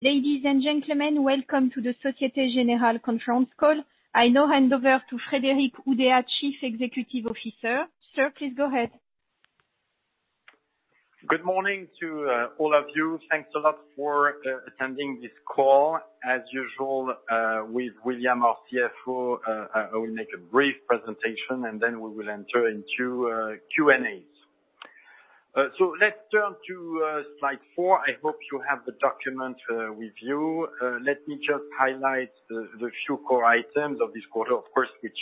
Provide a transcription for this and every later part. Ladies and gentlemen, welcome to the Société Générale conference call. I now hand over to Frédéric Oudéa, Chief Executive Officer. Sir, please go ahead. Good morning to all of you. Thanks a lot for attending this call. As usual, with William, our CFO, I will make a brief presentation, and then we will enter into Q&As. Let's turn to Slide four. I hope you have the document with you. Let me just highlight the few core items of this quarter, of course, which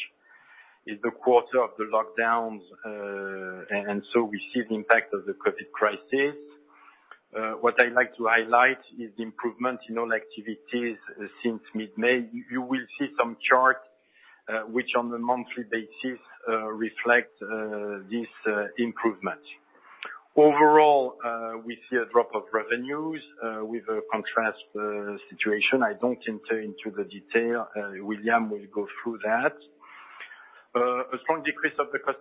is the quarter of the lockdowns, and so we see the impact of the COVID crisis. What I'd like to highlight is the improvement in all activities since mid-May. You will see some charts, which on a monthly basis, reflect this improvement. Overall, we see a drop of revenues with a contrast situation. I don't enter into the detail. William will go through that. A strong decrease of the cost,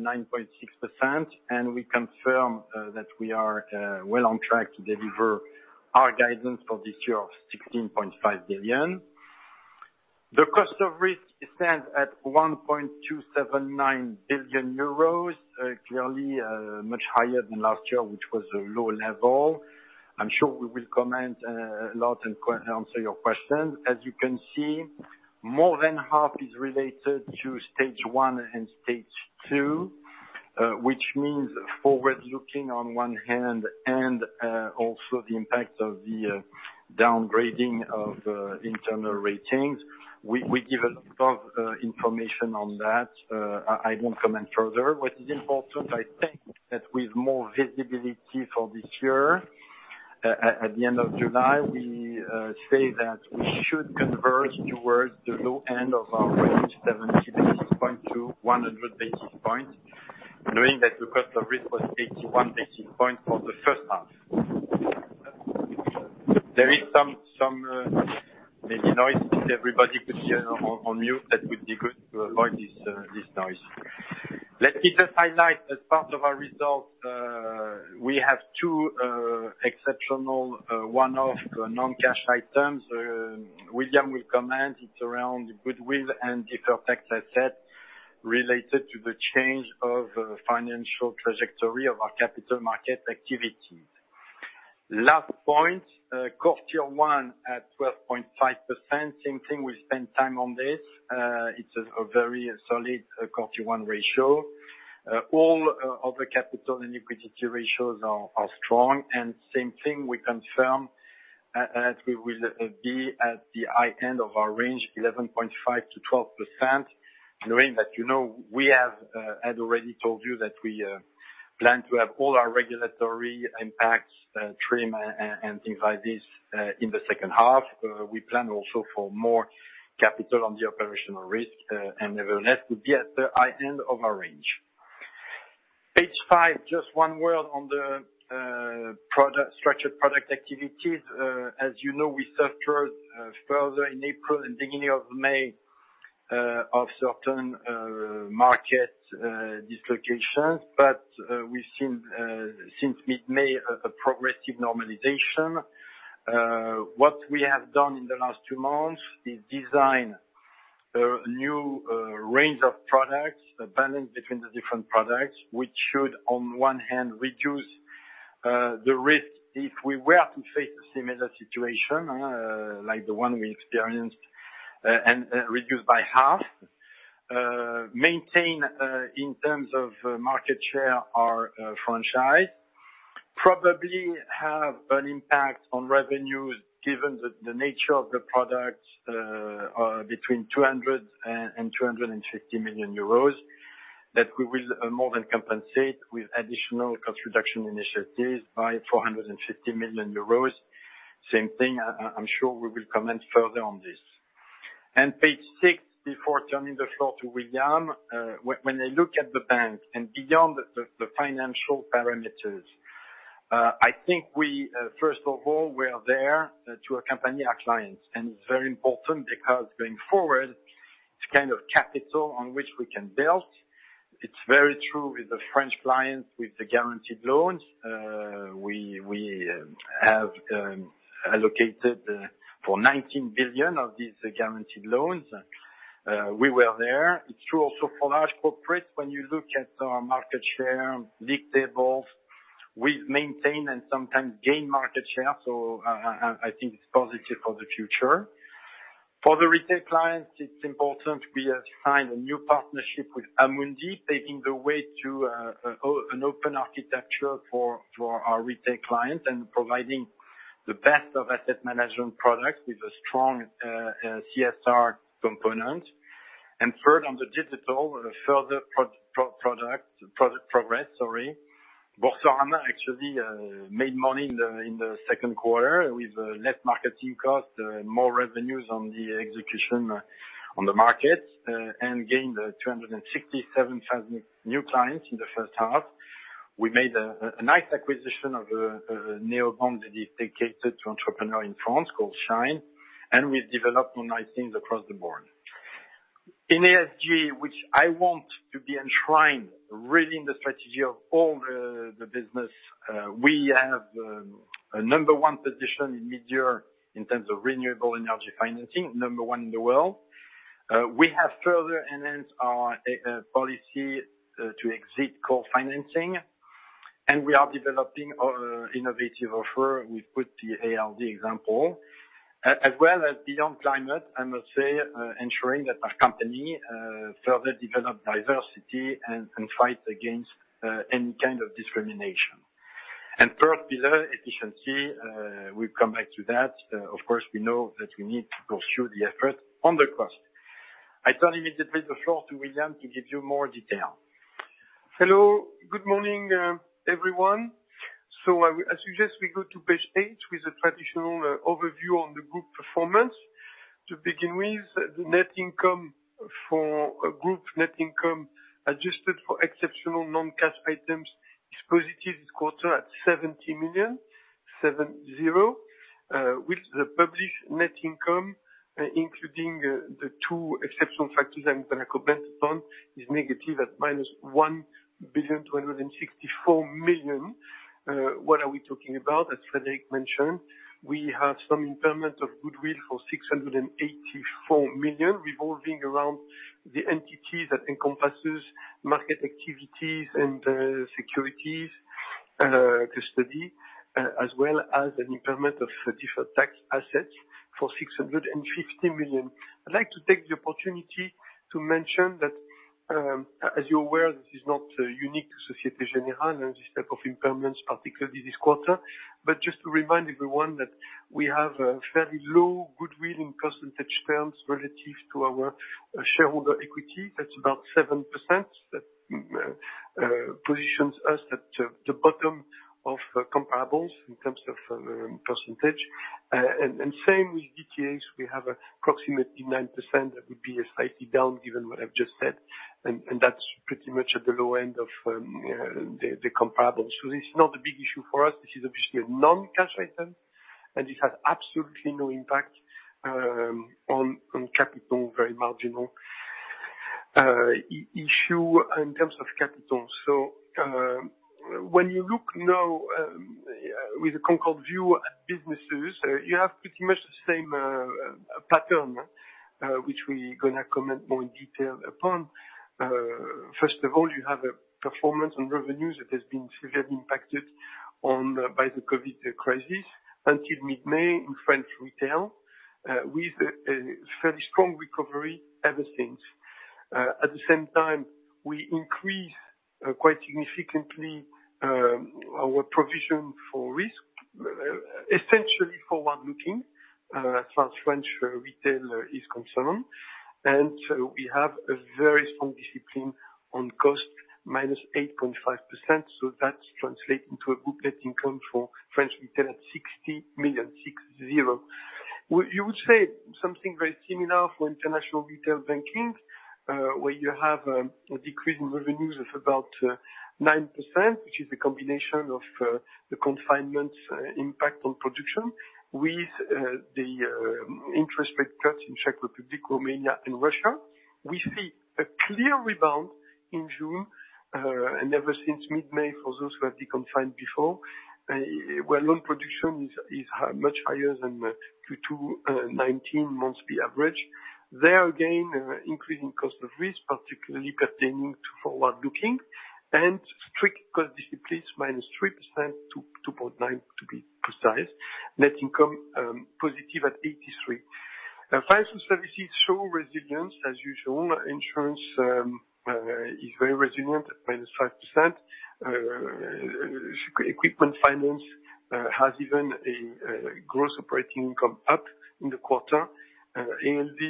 9.6%, and we confirm that we are well on track to deliver our guidance for this year of 16.5 billion. The cost of risk stands at 1.279 billion euros, clearly much higher than last year, which was a low level. I'm sure we will comment a lot and answer your questions. As you can see, more than half is related to Stage 1 and stage 2, which means forward-looking on one hand, and also the impact of the downgrading of internal ratings. We give a lot of information on that. I won't comment further. What is important, I think, that with more visibility for this year, at the end of July, we say that we should converge towards the low end of our range, 70 basis point-100 basis points, knowing that the cost of risk was 81 basis points for the first half. There is some maybe noise. If everybody could be on mute, that would be good to avoid this noise. Let me just highlight as part of our results, we have two exceptional one-off non-cash items. William will comment. It's around goodwill and deferred tax asset related to the change of financial trajectory of our capital market activity. Last point, Core Tier 1 at 12.5%. Same thing, we spend time on this. It's a very solid Core Tier 1 ratio. All other capital and liquidity ratios are strong, and same thing, we confirm that we will be at the high end of our range, 11.5%-12%, knowing that you know we have had already told you that we plan to have all our regulatory impacts, TRIM, and things like this in the second half. We plan also for more capital on the operational risk, and nevertheless, would be at the high end of our range. Page five, just one word on the structured product activities. As you know, we suffered further in April and beginning of May of certain market dislocations, but we've seen since mid-May a progressive normalization. What we have done in the last two months is design a new range of products, a balance between the different products, which should, on one hand, reduce the risk if we were to face a similar situation like the one we experienced, and reduce by half. Maintain, in terms of market share, our franchise. Probably have an impact on revenues given the nature of the product, between 200 million euros and 250 million euros, that we will more than compensate with additional cost reduction initiatives by 450 million euros. Same thing, I'm sure we will comment further on this. Page six, before turning the floor to William. When I look at the bank and beyond the financial parameters, I think we, first of all, we are there to accompany our clients, and it's very important because going forward, it's capital on which we can build. It's very true with the French clients with the guaranteed loans. We have allocated for 19 billion of these guaranteed loans. We were there. It's true also for large corporates, when you look at our market share, league tables, we've maintained and sometimes gained market share. I think it's positive for the future. For the retail clients, it's important we have signed a new partnership with Amundi, paving the way to an open architecture for our retail clients and providing the best of asset management products with a strong CSR component. Third, on the digital, further progress. Boursorama actually made money in the second quarter with less marketing cost, more revenues on the execution on the market, and gained 267,000 new clients in the first half. We made a nice acquisition of a neobank dedicated to entrepreneurs in France called Shine, and we've developed some nice things across the board. In ESG, which I want to be enshrined really in the strategy of all the business, we have a number one position in mid-year in terms of renewable energy financing, number one in the world. We have further enhanced our policy to exit coal financing, and we are developing innovative offer. We put the ALD example, as well as beyond climate, I must say, ensuring that our company further develop diversity and fight against any kind of discrimination. Third pillar, efficiency, we'll come back to that. Of course, we know that we need to pursue the effort on the cost. I turn immediately the floor to William to give you more detail. Hello. Good morning, everyone. I suggest we go to Page eight with the traditional overview on the group performance. To begin with, the group net income adjusted for exceptional non-cash items is positive this quarter at 70 million, with the published net income, including the two exceptional factors on goodwill impairment and deferred tax assets, is negative at -1,264 million. What are we talking about? As Frédéric mentioned, we have some impairment of goodwill for 684 million, revolving around the entity that encompasses market activities and securities custody, as well as an impairment of deferred tax assets for 650 million. I'd like to take the opportunity to mention that, as you're aware, this is not unique to Société Générale, this type of impairments, particularly this quarter. Just to remind everyone that we have a fairly low goodwill in percentage terms relative to our shareholder equity. That's about 7%. That positions us at the bottom of comparables in terms of percentage. Same with DTAs. We have approximately 9%. That would be slightly down, given what I've just said, and that's pretty much at the low end of the comparables. This is not a big issue for us. This is obviously a non-cash item, and this has absolutely no impact on capital, very marginal issue in terms of capital. When you look now with a concord view at businesses, you have pretty much the same pattern, which we're going to comment more in detail upon. First of all, you have a performance on revenues that has been severely impacted by the COVID crisis until mid-May in French retail, with a fairly strong recovery ever since. At the same time, we increased, quite significantly, our provision for risk, essentially forward-looking, as far as French retail is concerned. We have a very strong discipline on cost, -8.5%. That translates into a group net income for French retail at 60 million, six zero. You would say something very similar for international retail banking, where you have a decrease in revenues of about 9%, which is a combination of the confinement impact on production with the interest rate cuts in Czech Republic, Romania, and Russia. We see a clear rebound in June, and ever since mid-May, for those who have been confined before, where loan production is much higher than Q2 2019 months we average. There, again, increasing cost of risk, particularly pertaining to forward-looking, and strict cost disciplines, -3%, 2.9% to be precise. Net income, positive at 83 million. Financial services show resilience as usual. Insurance is very resilient at -5%. Equipment finance has even a gross operating income up in the quarter. ALD,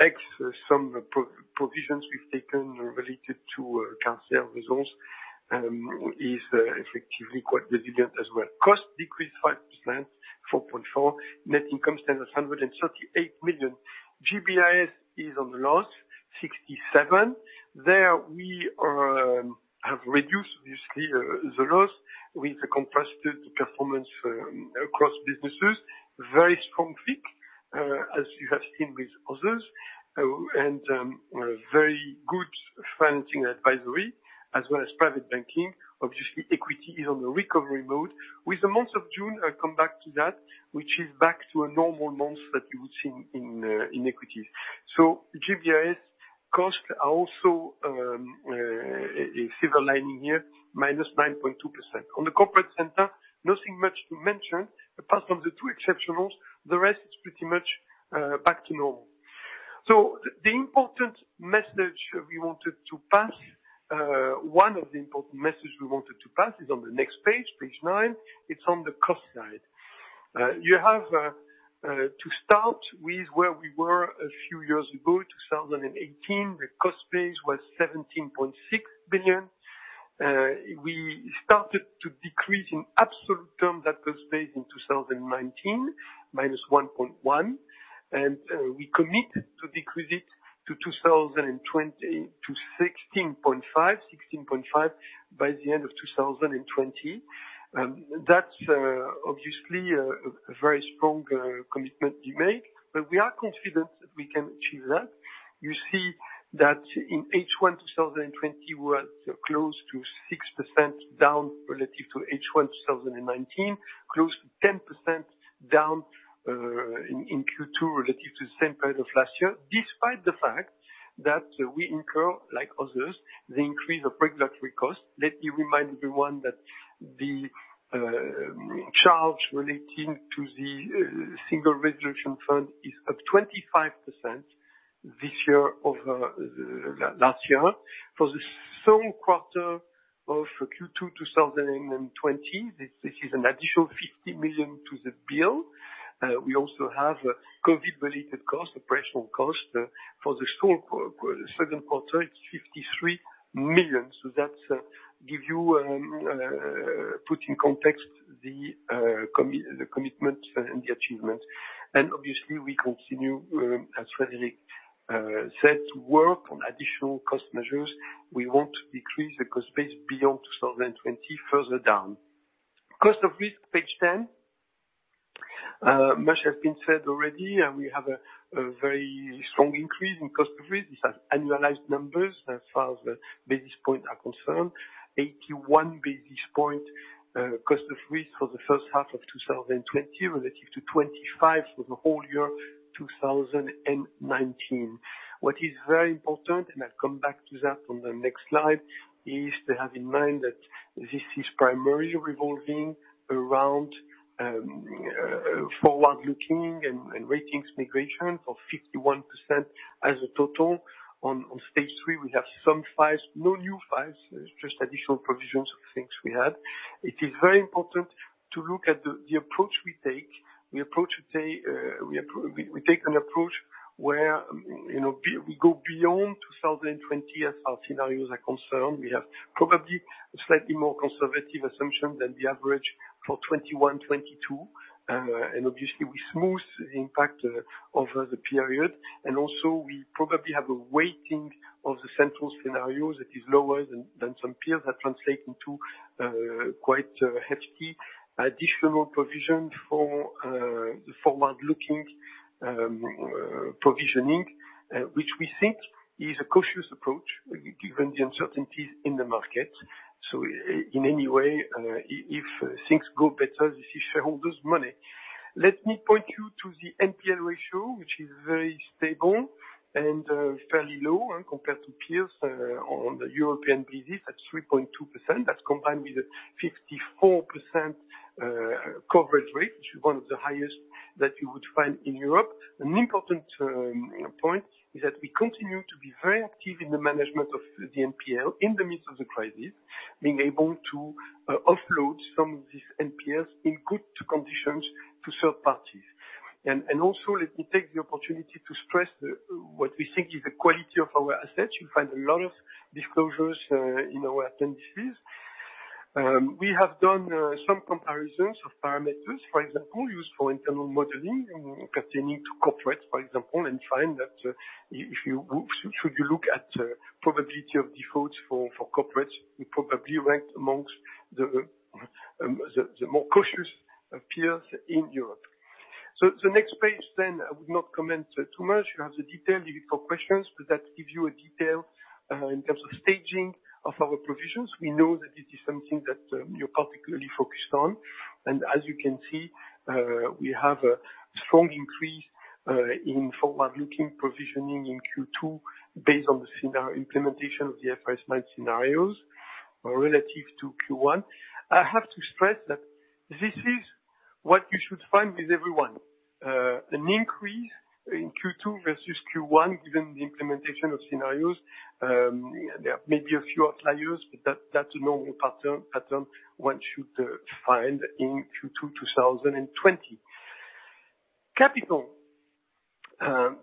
ex some provisions we've taken related to [Carrefour Resource], is effectively quite resilient as well. Cost decreased 5%, 4.4%. Net income stands at 138 million. GBIS is on loss, 67 million. There, we have reduced, obviously, the loss with the compressed performance across businesses. Very strong FICC, as you have seen with others, and very good financing advisory as well as private banking. Obviously, equity is on the recovery mode. With the month of June, I'll come back to that, which is back to a normal month that you would see in equity. GBIS costs are also a silver lining here, -9.2%. On the corporate center, nothing much to mention. Apart from the two exceptionals, the rest is pretty much back to normal. The important message we wanted to pass, one of the important messages we wanted to pass is on the next Page nine. It's on the cost side. You have to start with where we were a few years ago, 2018. The cost base was 17.6 billion. We started to decrease in absolute terms that were stated in 2019, -1.1 billion, and we committed to decrease it to 2020 to 16.5 billion by the end of 2020. That's obviously a very strong commitment we made, but we are confident that we can achieve that. You see that in H1 2020, we're close to 6% down relative to H1 2019, close to 10% down in Q2 relative to the same period of last year, despite the fact that we incur, like others, the increase of regulatory costs. Let me remind everyone that the charge relating to the Single Resolution Fund is up 25% this year over last year. For the same quarter of Q2 2020, this is an additional 50 million to the bill. We also have COVID-related costs, operational costs. For the second quarter, it's 53 million. That puts in context the commitment and the achievement. Obviously, we continue, as Frédéric said, to work on additional cost measures. We want to decrease the cost base beyond 2020 further down. Cost of risk, Page 10. Much has been said already, and we have a very strong increase in cost of risk. These are annualized numbers, as far as basis point are concerned. 81 basis point cost of risk for the first half of 2020, relative to 25 for the whole year 2019. What is very important, I'll come back to that on the next slide, is to have in mind that this is primarily revolving around forward-looking and ratings migration of 51% as a total. On Stage 3, we have some files, no new files, just additional provisions of things we had. It is very important to look at the approach we take. We take an approach where we go beyond 2020 as our scenarios are concerned. We have probably a slightly more conservative assumption than the average for 2021, 2022. Obviously, we smooth the impact over the period. Also, we probably have a weighting of the central scenario that is lower than some peers. That translate into quite a hefty additional provision for the forward-looking provisioning, which we think is a cautious approach given the uncertainties in the market. In any way, if things go better, this is shareholders' money. Let me point you to the NPL ratio, which is very stable and fairly low compared to peers on the European business at 3.2%. That's combined with a 54% coverage rate, which is one of the highest that you would find in Europe. An important point is that we continue to be very active in the management of the NPL in the midst of the crisis, being able to offload some of these NPLs in good conditions to third parties. Also, let me take the opportunity to stress what we think is the quality of our assets. You'll find a lot of disclosures in our tendencies. We have done some comparisons of parameters, for example, used for internal modeling pertaining to corporates, for example, and find that should you look at probability of defaults for corporates, we probably ranked amongst the more cautious peers in Europe. The next page then, I would not comment too much. You have the detail. You can call questions, but that gives you a detail in terms of staging of our provisions. We know that this is something that you're particularly focused on. As you can see, we have a strong increase in forward-looking provisioning in Q2 based on the scenario implementation of the IFRS 9 scenarios relative to Q1. I have to stress that this is what you should find with everyone, an increase in Q2 versus Q1, given the implementation of scenarios. There may be a few outliers, but that's a normal pattern one should find in Q2 2020. Capital.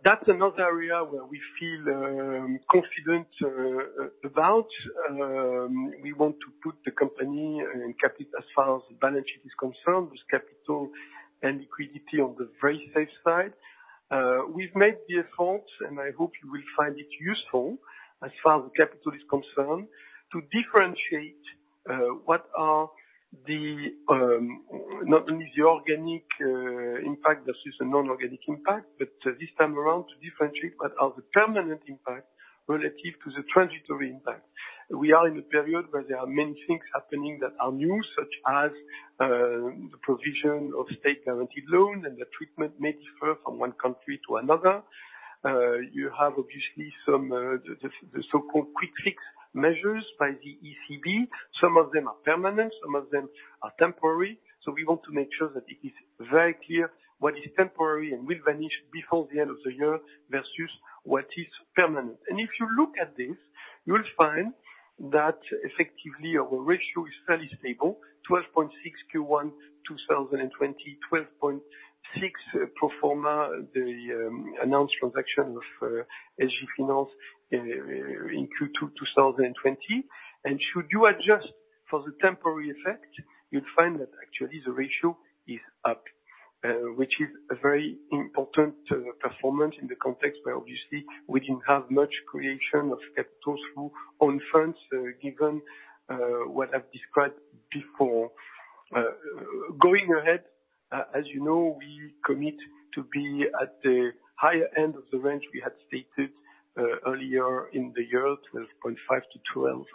That's another area where we feel confident about. We want to put the company as far as the balance sheet is concerned, with capital and liquidity on the very safe side. We've made the effort, and I hope you will find it useful as far as the capital is concerned, to differentiate what are the, not only the organic impact versus the non-organic impact, but this time around, to differentiate what are the permanent impact relative to the transitory impact. We are in a period where there are many things happening that are new, such as the provision of State-Guaranteed Loans, and the treatment may differ from one country to another. You have, obviously, the so-called quick fix measures by the ECB. Some of them are permanent, some of them are temporary. We want to make sure that it is very clear what is temporary and will vanish before the end of the year versus what is permanent. If you look at this, you will find that effectively, our ratio is fairly stable, 12.6% Q1 2020, 12.6% pro forma, the announced transaction of SG Finans in Q2 2020. Should you adjust for the temporary effect, you'd find that actually, the ratio is up. Which is a very important performance in the context where, obviously, we didn't have much creation of capital through own funds, given what I've described before. Going ahead, as you know, we commit to be at the higher end of the range we had stated earlier in the year, 11.5%-12%.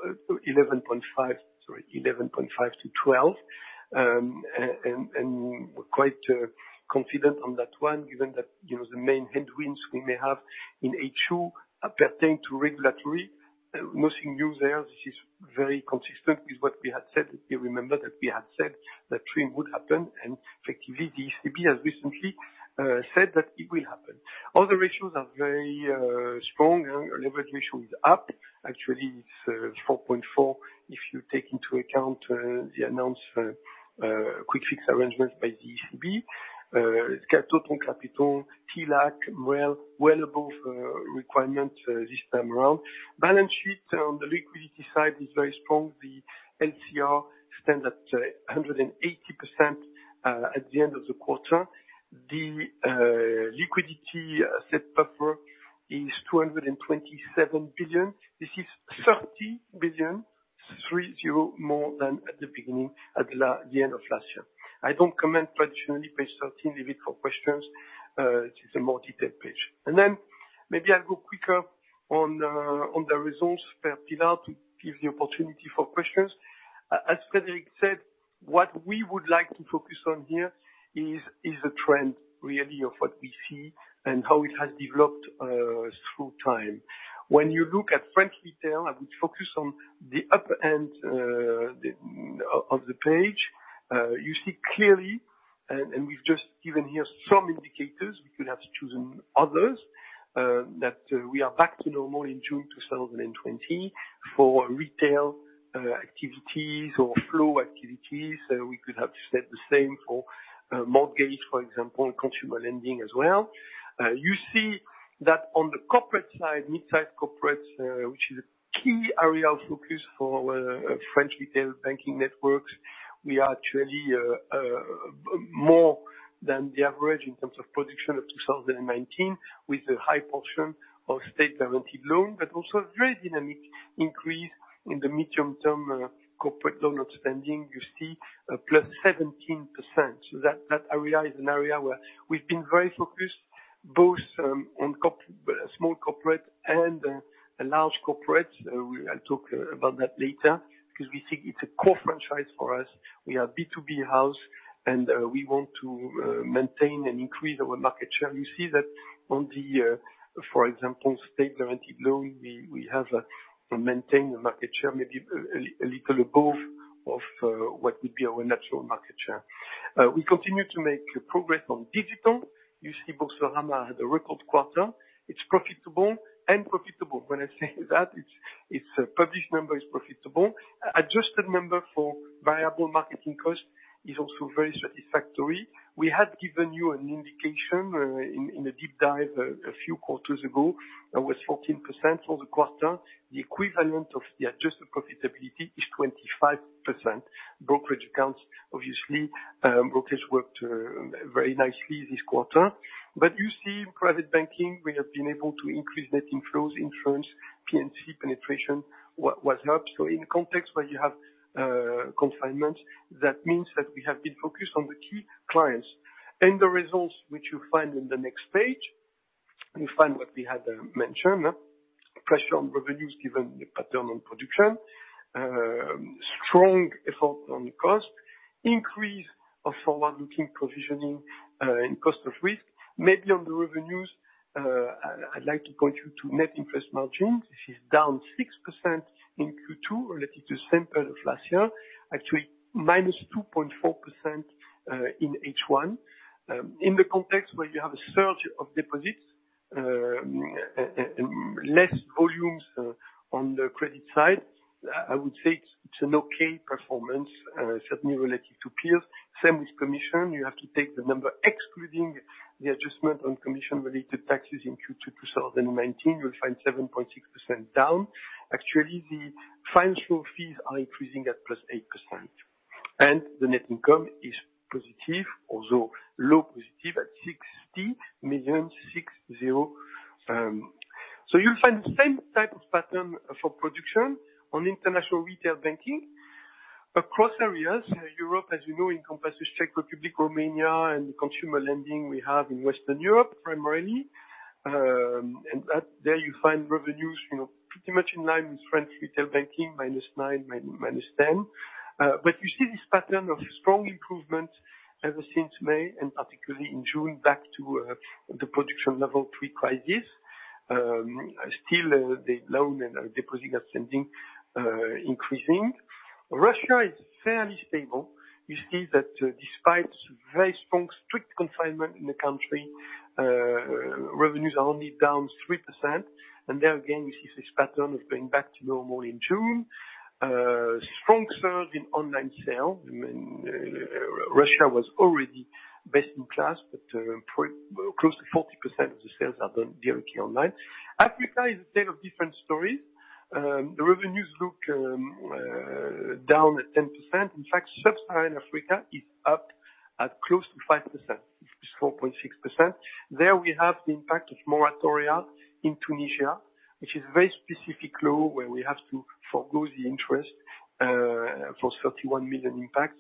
We're quite confident on that one, given that the main headwinds we may have in H2 pertain to regulatory. Nothing new there. This is very consistent with what we had said. If you remember that we had said that TRIM would happen, and effectively, the ECB has recently said that it will happen. All the ratios are very strong, and leverage ratio is up. Actually, it's 4.4%, if you take into account the announced quick fix arrangements by the ECB. Total capital, TLAC, well above requirement this time around. Balance sheet on the liquidity side is very strong. The LCR stands at 180% at the end of the quarter. The liquidity set buffer is 227 billion. This is 30 billion, three, zero, more than at the beginning, at the end of last year. I don't comment traditionally Page 13. Leave it for questions. This is a multi-tab page. Maybe I'll go quicker on the results per pillar to give the opportunity for questions. As Frédéric said, what we would like to focus on here is the trend, really, of what we see and how it has developed through time. When you look at French retail, I would focus on the upper end of the page. You see clearly, and we've just given here some indicators, we could have chosen others, that we are back to normal in June 2020 for retail activities or flow activities. We could have said the same for mortgage, for example, consumer lending as well. You see that on the corporate side, mid-size corporate, which is a key area of focus for French retail banking networks, we are actually more than the average in terms of production of 2019, with a high portion of state-guaranteed loans, but also a very dynamic increase in the medium-term corporate loan outstanding. You see, +17%. That area is an area where we've been very focused, both on small corporate and large corporate. I'll talk about that later, because we think it's a core franchise for us. We are B2B house, and we want to maintain and increase our market share. You see that on the, for example, state-guaranteed loan, we have maintained a market share, maybe a little above of what would be our natural market share. We continue to make progress on digital. You see Boursorama had a record quarter. It's profitable. Profitable. When I say that, its published number is profitable. Adjusted number for variable marketing cost is also very satisfactory. We had given you an indication in a deep dive a few quarters ago. That was 14% for the quarter. The equivalent of the adjusted profitability is 25%. Brokerage accounts, obviously, brokers worked very nicely this quarter. You see, in private banking, we have been able to increase net inflows in France. P&C penetration was helped. In context where you have confinement, that means that we have been focused on the key clients. The results, which you'll find in the next page, you'll find what we had mentioned. Pressure on revenues given the pattern on production, strong effort on the cost, increase of forward-looking provisioning in cost of risk. Maybe on the revenues, I'd like to point you to net interest margin. This is down 6% in Q2 related to same period of last year, actually -2.4% in H1. In the context where you have a surge of deposits, less volumes on the credit side, I would say it's an okay performance, certainly related to peers. Same with commission. You have to take the number excluding the adjustment on commission-related taxes in Q2 2019, you'll find 7.6% down. Actually, the financial fees are increasing at +8%. The net income is positive, although low positive at 60 million, six, zero. You'll find the same type of pattern for production on international retail banking across areas. Europe, as you know, encompasses Czech Republic, Romania, and the consumer lending we have in Western Europe, primarily. There you find revenues pretty much in line with French retail banking, -9%, -10%. You see this pattern of strong improvement ever since May, and particularly in June, back to the production level pre-crisis. Still, the loan and deposit outstanding increasing. Russia is fairly stable. You see that despite very strong, strict confinement in the country, revenues are only down 3%. There again, you see this pattern of going back to normal in June. Strong surge in online sales. Russia was already best in class, but close to 40% of the sales are done directly online. Africa is a tale of different stories. The revenues look down at 10%. In fact, sub-Saharan Africa is up at close to 5%, it's 4.6%. There we have the impact of moratoria in Tunisia, which is very specific law, where we have to forgo the interest for 31 million impact.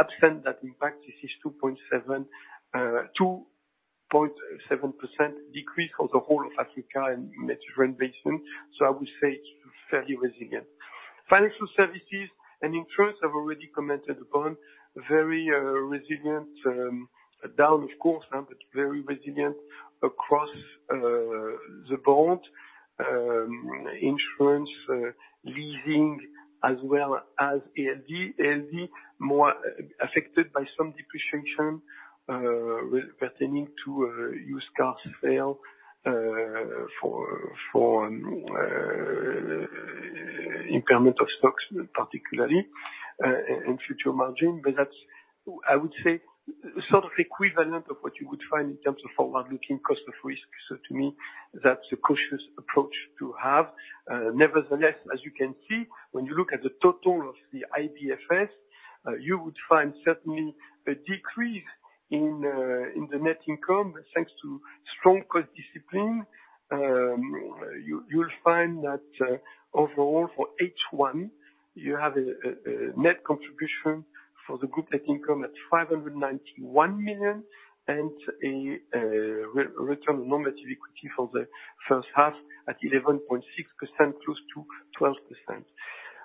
Absent that impact, this is 2.7% decrease for the whole of Africa and Mediterranean basin. I would say it's fairly resilient. Financial services and insurance, I've already commented upon, very resilient, down of course, but very resilient across the board. Insurance, leasing, as well as ALD. ALD, more affected by some depreciation pertaining to used cars sale for impairment of stocks particularly, and future margin. That is, I would say, equivalent of what you would find in terms of forward-looking cost of risk. To me, that is a cautious approach to have. Nevertheless, as you can see, when you look at the total of the IBFS, you would find certainly a decrease in the net income. Thanks to strong cost discipline, you will find that overall for H1, you have a net contribution for the group net income at 591 million and a return on normative equity for the first half at 11.6%, close to 12%.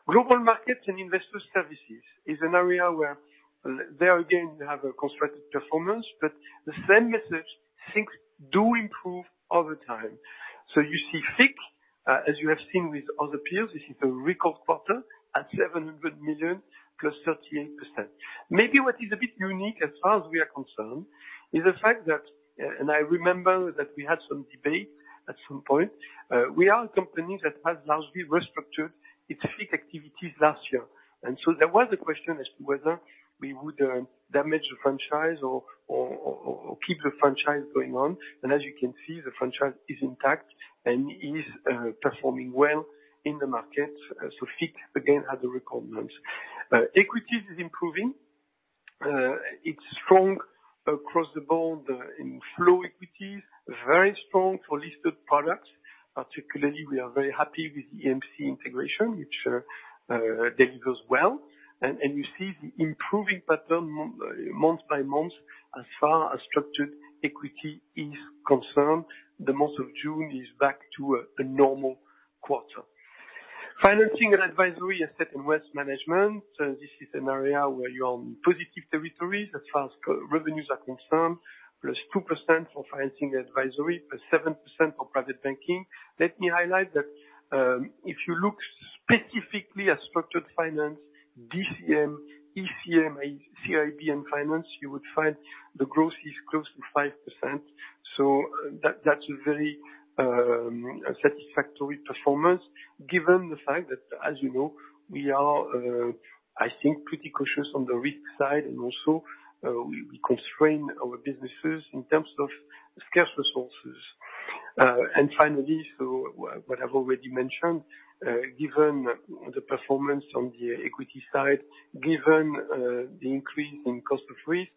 Global markets and investor services is an area where there again, they have a constricted performance, but the same message, things do improve over time. You see FICC, as you have seen with other peers, this is a record quarter at 700 million +38%. Maybe what is a bit unique as far as we are concerned, is the fact that, and I remember that we had some debate at some point, we are a company that has largely restructured its FICC activities last year. There was a question as to whether we would damage the franchise or keep the franchise going on. As you can see, the franchise is intact and is performing well in the market. FICC, again, had a record month. Equities is improving. It's strong across the board in flow equities, very strong for listed products. Particularly, we are very happy with the EMC integration, which delivers well. You see the improving pattern month by month as far as structured equity is concerned. The month of June is back to a normal quarter. Financing and advisory, asset and wealth management, this is an area where you are on positive territories as far as revenues are concerned, +2% for financing and advisory, +7% for private banking. Let me highlight that if you look specifically at structured finance, DCM, ECM, CIB and finance, you would find the growth is close to 5%. That's a very satisfactory performance given the fact that, as you know, we are, I think, pretty cautious on the risk side, and also, we constrain our businesses in terms of scarce resources. Finally, what I've already mentioned, given the performance on the equity side, given the increase in cost of risk,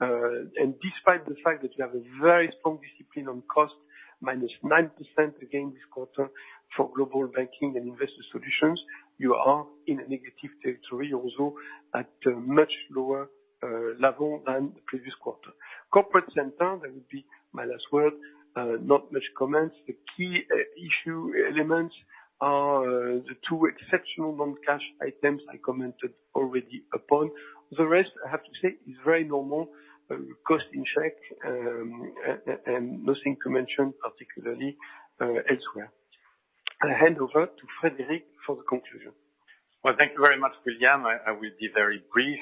and despite the fact that we have a very strong discipline on cost, -9% this quarter for Global Banking and Investor Solutions, you are in a negative territory also at a much lower level than the previous quarter. Corporate Center, that would be my last word, not much comments. The key issue elements are the two exceptional non-cash items I commented already upon. The rest, I have to say, is very normal. Cost in check, nothing to mention particularly elsewhere. I hand over to Frédéric for the conclusion. Well, thank you very much, William. I will be very brief.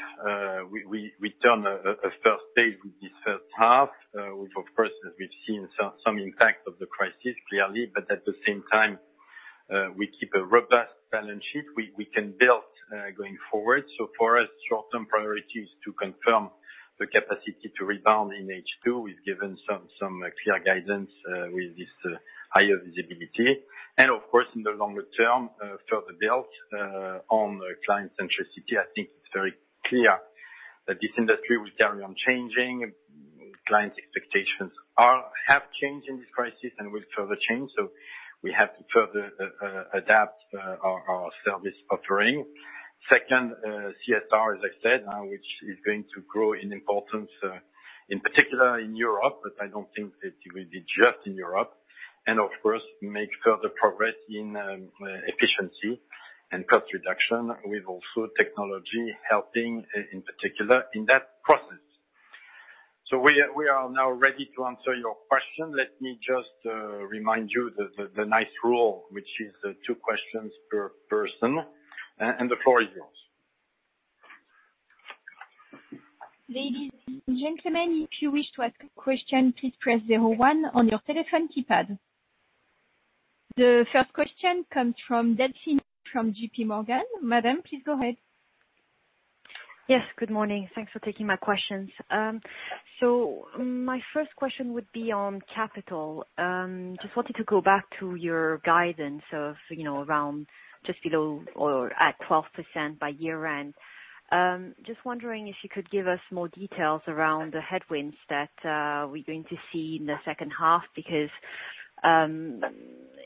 We turn a first page with this first half, which of course, we've seen some impact of the crisis, clearly. At the same time, we keep a robust balance sheet we can build going forward. For us, short-term priority is to confirm the capacity to rebound in H2. We've given some clear guidance with this higher visibility. Of course, in the longer term, further build on client centricity. I think it's very clear that this industry will carry on changing. Client expectations have changed in this crisis and will further change, so we have to further adapt our service offering. Second, CSR, as I said, which is going to grow in importance, in particular in Europe, but I don't think that it will be just in Europe. Of course, make further progress in efficiency and cost reduction with also technology helping in particular in that process. We are now ready to answer your question. Let me just remind you the nice rule, which is two questions per person. The floor is yours. Ladies and gentlemen, if you wish to ask a question, please press zero one on your telephone keypad. The first question comes from Delphine from JPMorgan. Madam, please go ahead. Yes. Good morning. Thanks for taking my questions. My first question would be on capital. Just wanted to go back to your guidance of around just below or at 12% by year-end. Just wondering if you could give us more details around the headwinds that we're going to see in the second half, because,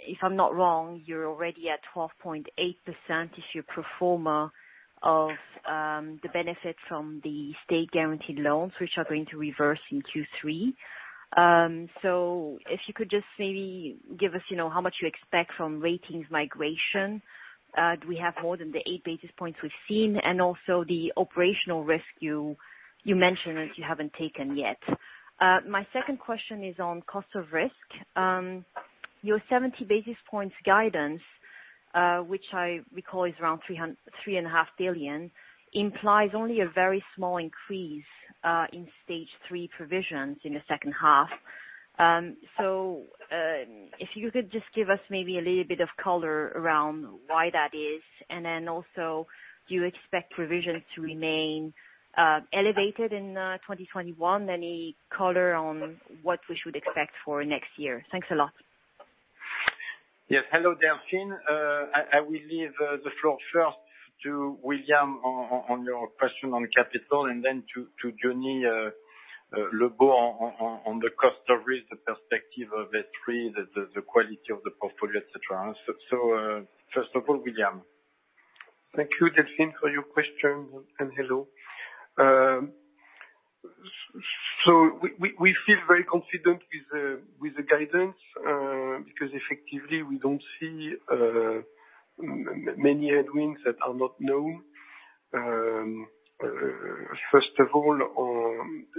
if I'm not wrong, you're already at 12.8% if you pro forma of the benefit from the state-guaranteed loans, which are going to reverse in Q3. If you could just maybe give us, how much you expect from ratings migration. Do we have more than the eight basis points we've seen? Also the operational risk you mentioned that you haven't taken yet. My second question is on cost of risk. Your 70 basis points guidance, which I recall is around 3.5 billion, implies only a very small increase in Stage 3 provisions in the second half. If you could just give us maybe a little bit of color around why that is, and then also do you expect provisions to remain elevated in 2021? Any color on what we should expect for next year? Thanks a lot. Yes. Hello, Delphine. I will leave the floor first to William on your question on capital and then to Diony Lebot on the cost of risk, the perspective of S3, the quality of the portfolio, etc. First of all, William. Thank you, Delphine, for your question, and hello. We feel very confident with the guidance, because effectively, we don't see many headwinds that are not known. First of all,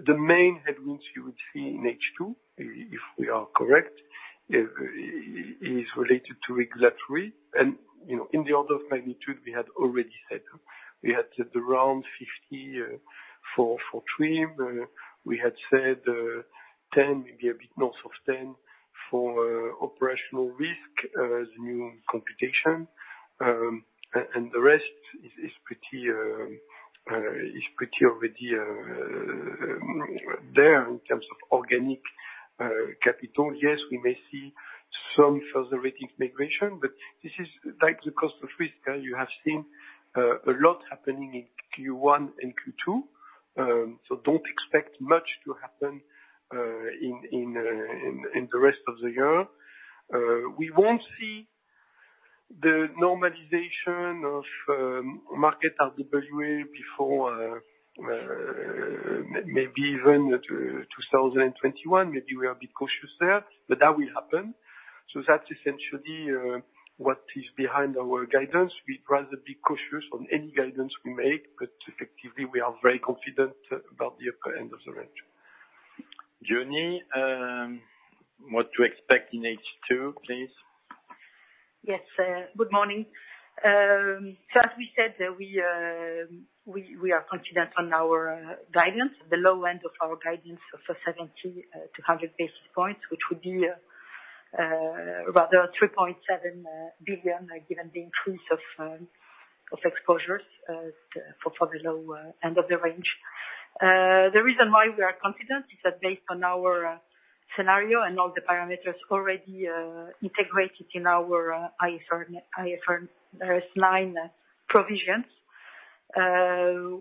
the main headwinds you would see in H2, if we are correct, is related to regulatory, and in the order of magnitude we had already said. We had said around 50 for TRIM. We had said 10, maybe a bit north of 10 for operational risk as new computation. The rest is pretty already there in terms of organic capital. Yes, we may see some further rating migration, but this is like the cost of risk. You have seen a lot happening in Q1 and Q2, so don't expect much to happen in the rest of the year. We won't see the normalization of market RWA before maybe even 2021, maybe we are a bit cautious there, but that will happen. That's essentially what is behind our guidance. We'd rather be cautious on any guidance we make, but effectively, we are very confident about the upper end of the range. Diony, what to expect in H2, please? Yes. Good morning. As we said, we are confident on our guidance, the low end of our guidance of 70-100 basis points, which would be rather 3.7 billion, given the increase of exposures for the low end of the range. The reason why we are confident is that based on our scenario and all the parameters already integrated in our IFRS 9 provisions,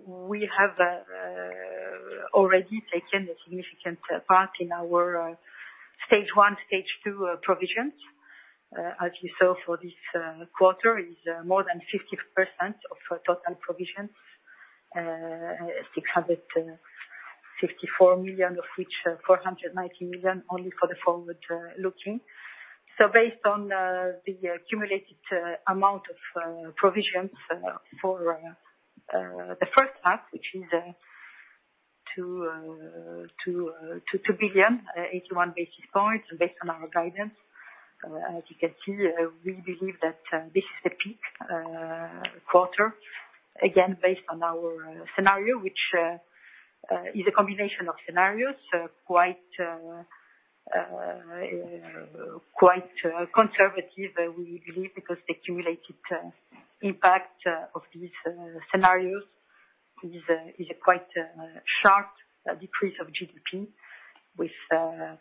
we have already taken a significant part in our Stage 1, Stage 2 provisions. As you saw for this quarter is more than 50% of total provisions, 654 million, of which 490 million only for the forward-looking. Based on the accumulated amount of provisions for the first half, which is 2 billion, 81 basis points based on our guidance. As you can see, we believe that this is the peak quarter, again based on our scenario, which is a combination of scenarios, quite conservative, we believe, because the accumulated impact of these scenarios is a quite sharp decrease of GDP with a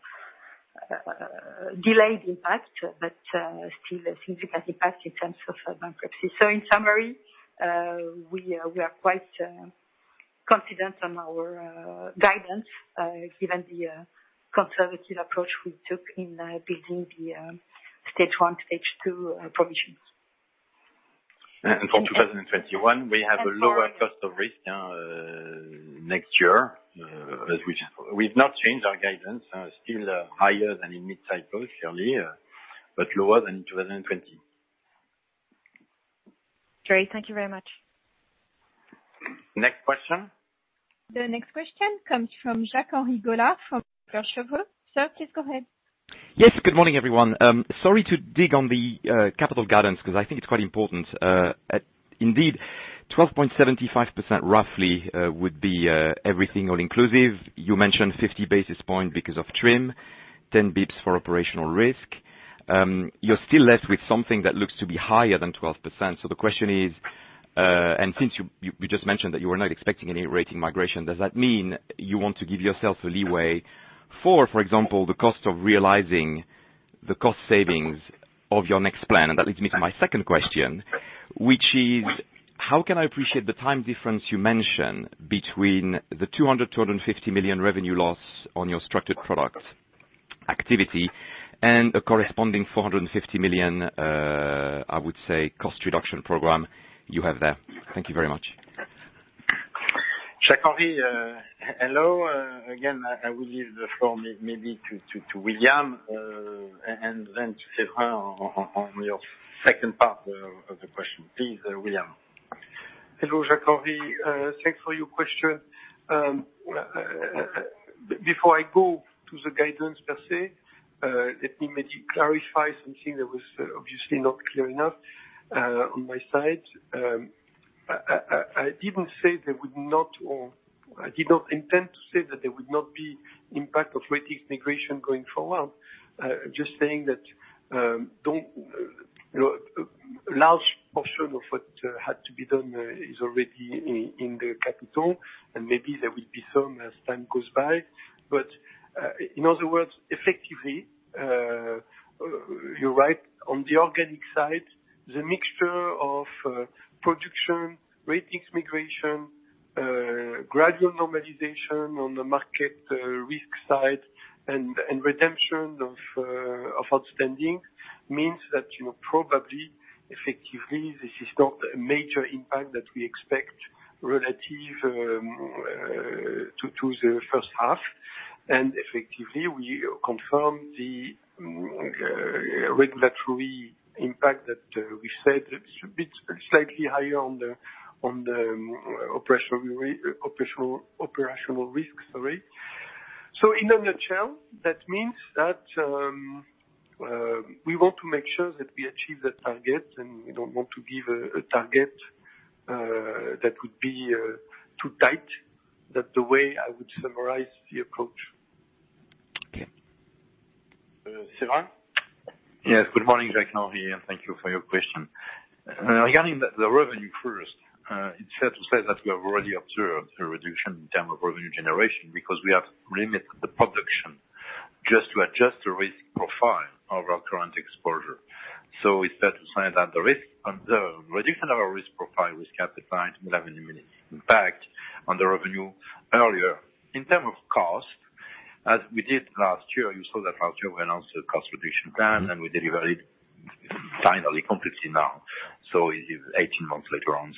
delayed impact, but still a significant impact in terms of bankruptcy. In summary, we are quite confident on our guidance, given the conservative approach we took in building the Stage 1, Stage 2 provisions. For 2021, we have a lower cost of risk next year. We've not changed our guidance, still higher than in mid cycle, surely, but lower than in 2020. Great. Thank you very much. Next question. The next question comes from Jacques-Henri Gaulard from Kepler Cheuvreux. Sir, please go ahead. Yes. Good morning, everyone. Sorry to dig on the capital guidance, because I think it's quite important. Indeed, 12.75% roughly would be everything all inclusive. You mentioned 50 basis points because of TRIM, 10 basis points for operational risk. You're still left with something that looks to be higher than 12%. The question is, and since you just mentioned that you are not expecting any rating migration, does that mean you want to give yourself a leeway, for example, the cost of realizing the cost savings of your next plan? That leads me to my second question, which is how can I appreciate the time difference you mention between the 200 million-250 million revenue loss on your structured product activity and a corresponding 450 million, I would say, cost reduction program you have there? Thank you very much. Jacques-Henri, hello. I will leave the floor maybe to William, and then to Séverin on your second part of the question. Please, William. Hello, Jacques-Henri. Thanks for your question. Before I go to the guidance per se, let me maybe clarify something that was obviously not clear enough on my side. I didn't say they would not, or I did not intend to say that there would not be impact of ratings migration going forward. Just saying that a large portion of what had to be done is already in the capital, and maybe there will be some as time goes by. In other words, effectively, you're right. On the organic side, the mixture of production, ratings migration, gradual normalization on the market risk side, and redemption of outstanding means that probably, effectively, this is not a major impact that we expect relative to the first half. Effectively, we confirm the regulatory impact that we said, it's a bit slightly higher on the operational risk, sorry. In a nutshell, that means that we want to make sure that we achieve that target, and we don't want to give a target that would be too tight. That's the way I would summarize the approach. Séverin? Yes, good morning, Jacques-Henri, thank you for your question. Regarding the revenue first, it's fair to say that we have already observed a reduction in term of revenue generation because we have limited the production just to adjust the risk profile of our current exposure. It's fair to say that the reduction of our risk profile risk appetite will have an immediate impact on the revenue earlier. In term of cost, as we did last year, you saw that last year we announced a cost-reduction plan, we delivered it finally completely now, it is 18 months later on.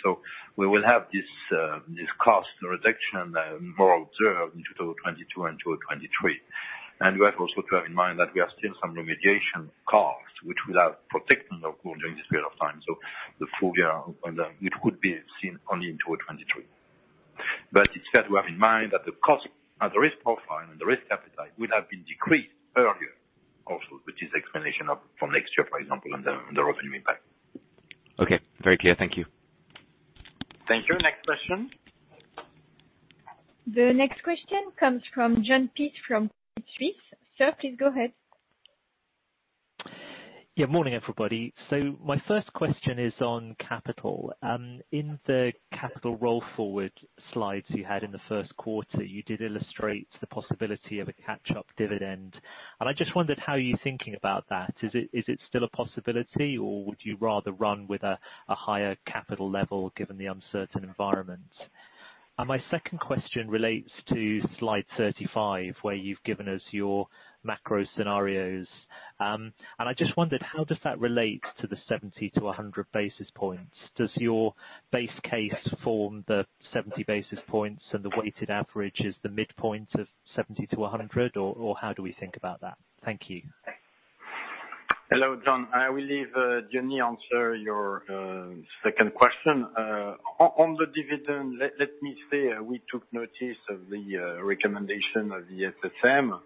We will have this cost reduction more observed in 2022 and 2023. We have also to have in mind that we have still some remediation costs, which will have protection, of course, during this period of time. The full year, it could be seen only in 2023. It's fair to have in mind that the cost and the risk profile and the risk appetite will have been decreased earlier also, which is explanation of from next year, for example, on the revenue impact. Okay. Very clear. Thank you. Thank you. Next question. The next question comes from Jon Peace from Credit Suisse. Sir, please go ahead. Yeah. Morning, everybody. My first question is on capital. In the capital roll-forward slides you had in the first quarter, you did illustrate the possibility of a catch-up dividend. I just wondered how you're thinking about that. Is it still a possibility, or would you rather run with a higher capital level given the uncertain environment? My second question relates to Slide 35, where you've given us your macro scenarios. I just wondered, how does that relate to the 70-100 basis points? Does your base case form the 70 basis points and the weighted average is the midpoint of 70-100, or how do we think about that? Thank you. Hello, Jon. I will leave Diony answer your second question. On the dividend, let me say we took notice of the recommendation of the SSM.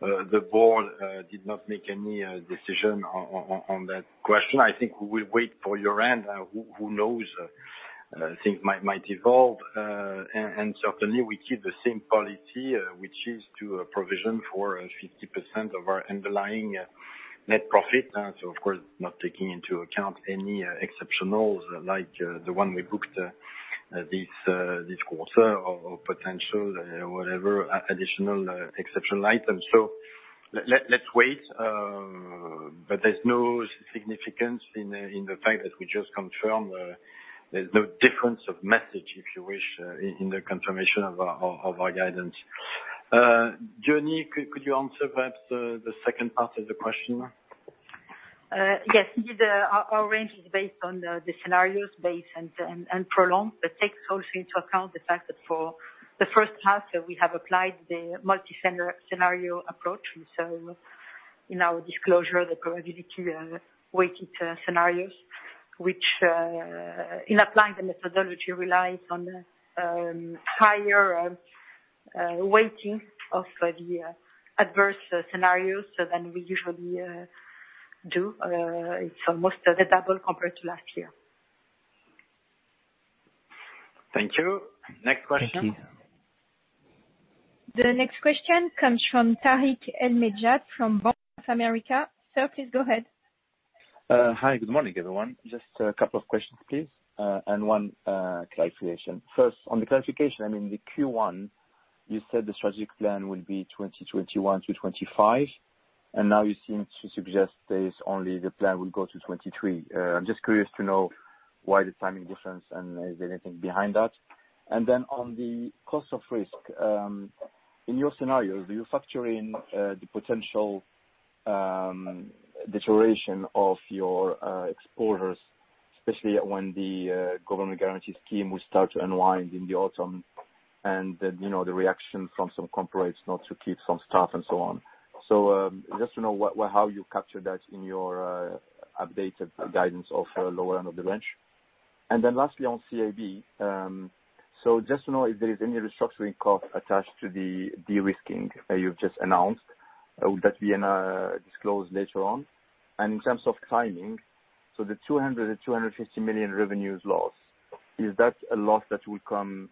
The board did not make any decision on that question. I think we will wait for your end. Who knows, things might evolve. Certainly, we keep the same policy, which is to provision for 50% of our underlying net profit. Of course, not taking into account any exceptionals like the one we booked this quarter or potential, whatever additional exceptional items. Let's wait, but there's no significance in the fact that we just confirmed there's no difference of message, if you wish, in the confirmation of our guidance. Diony, could you answer perhaps the second part of the question? Yes. Indeed, our range is based on the scenarios base and prolonged, but takes also into account the fact that for the first half, we have applied the multi-scenario approach. In our disclosure, the probability-weighted scenarios, which, in applying the methodology, relies on higher weighting of the adverse scenarios than we usually do. It's almost double compared to last year. Thank you. Next question. Thank you. The next question comes from Tarik El Mejjad from Bank of America. Sir, please go ahead. Hi, good morning, everyone. Just a couple of questions, please, and one clarification. First, on the clarification, in the Q1, you said the strategic plan will be 2021-2025, now you seem to suggest there's only the plan will go to 2023. I'm just curious to know why the timing difference, is there anything behind that? On the cost of risk, in your scenario, do you factor in the potential deterioration of your exposures, especially when the government guarantee scheme will start to unwind in the autumn, and the reaction from some corporates not to keep some staff, and so on. Just to know how you capture that in your updated guidance of lower end of the range. Lastly on CIB, just to know if there is any restructuring cost attached to the de-risking you've just announced. Will that be in a disclose later on? In terms of timing, the 200 million-250 million revenues loss, is that a loss that will come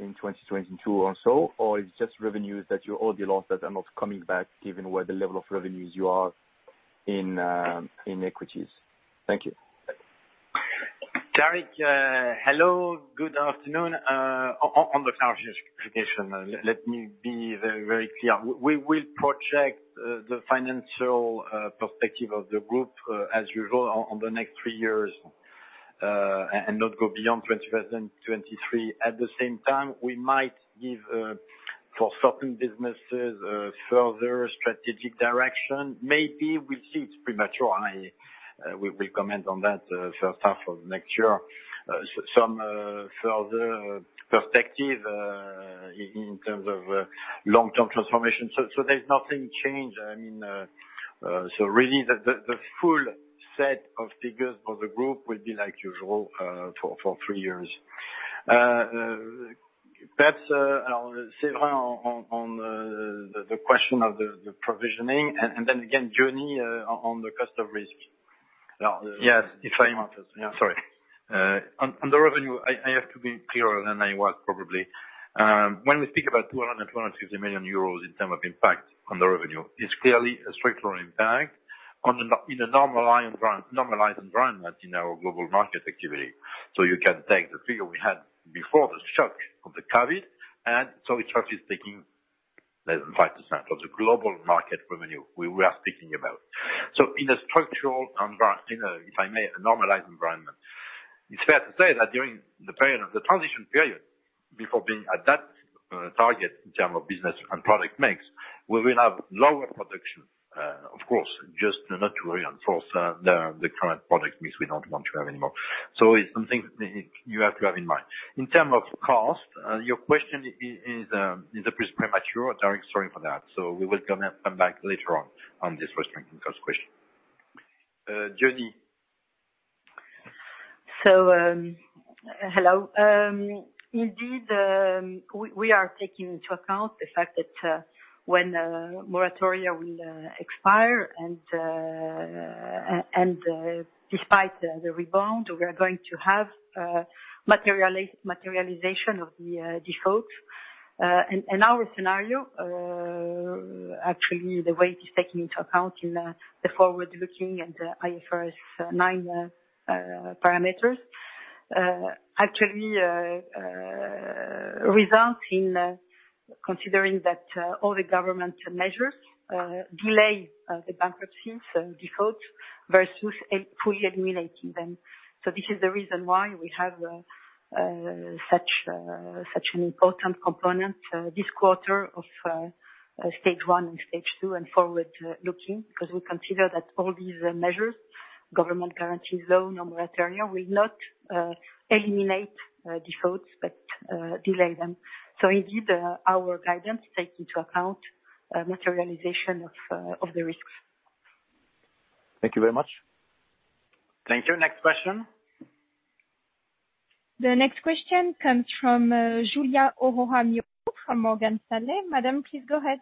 in 2022 or so? It's just revenues that you owe the loss that are not coming back given where the level of revenues you are in equities. Thank you. Tarik, hello. Good afternoon. On the clarification, let me be very clear. We will project the financial perspective of the group, as usual, on the next three years, and not go beyond 2023. At the same time, we might give, for certain businesses, further strategic direction. Maybe we'll see. It's premature. I will comment on that first half of next year. Some further perspective, in terms of long-term transformation. There's nothing changed. Really, the full set of figures for the group will be like usual, for three years. Perhaps, Séverin on the question of the provisioning and then again, Diony on the cost of risk. Yes. If I may answer. Sorry. On the revenue, I have to be clearer than I was probably. When we speak about 200 million-250 million euros in terms of impact on the revenue, it's clearly a structural impact in a normalized environment in our global market activity. You can take the figure we had before the shock of the COVID, and so it's actually taking less than 5% of the global market revenue we are speaking about. In a structural environment, if I may, a normalized environment, it's fair to say that during the transition period, before being at that target in terms of business and product mix, we will have lower production, of course, just not to reinforce the current product mix we don't want to have anymore. It's something you have to have in mind. In terms of cost, your question is a bit premature, Tarik, sorry for that. We will come back later on this restructuring cost question. Diony. Hello. Indeed, we are taking into account the fact that when moratoria will expire and despite the rebound, we are going to have materialization of the default. In our scenario, actually, the way it is taken into account in the forward-looking and the IFRS 9 parameters, actually results in considering that all the government measures delay the bankruptcies and default versus fully eliminating them. This is the reason why we have such an important component this quarter of Stage 1 and Stage 2 and forward-looking, because we consider that all these measures, government guarantees, loan, or moratoria, will not eliminate defaults, but delay them. Indeed, our guidance take into account materialization of the risks. Thank you very much. Thank you. Next question. The next question comes from Giulia Aurora Miotto from Morgan Stanley. Madam, please go ahead.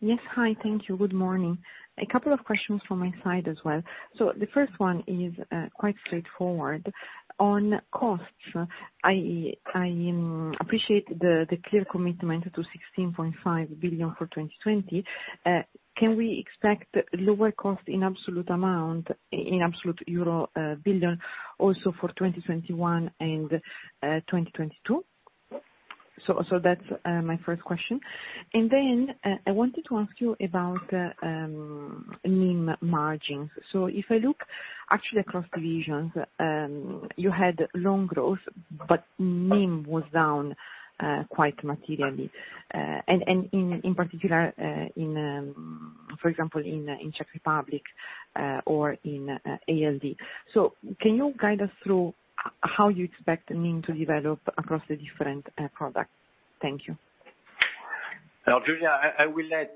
Yes. Hi, thank you. Good morning. A couple of questions from my side as well. The first one is quite straightforward. On costs, I appreciate the clear commitment to 16.5 billion for 2020. Can we expect lower cost in absolute amount, in absolute euro billion also for 2021 and 2022? That's my first question. I wanted to ask you about NIM margins. If I look actually across divisions, you had loan growth, but NIM was down quite materially, and in particular, for example, in Czech Republic or in ALD. Can you guide us through how you expect NIM to develop across the different products? Thank you. Giulia, I will let,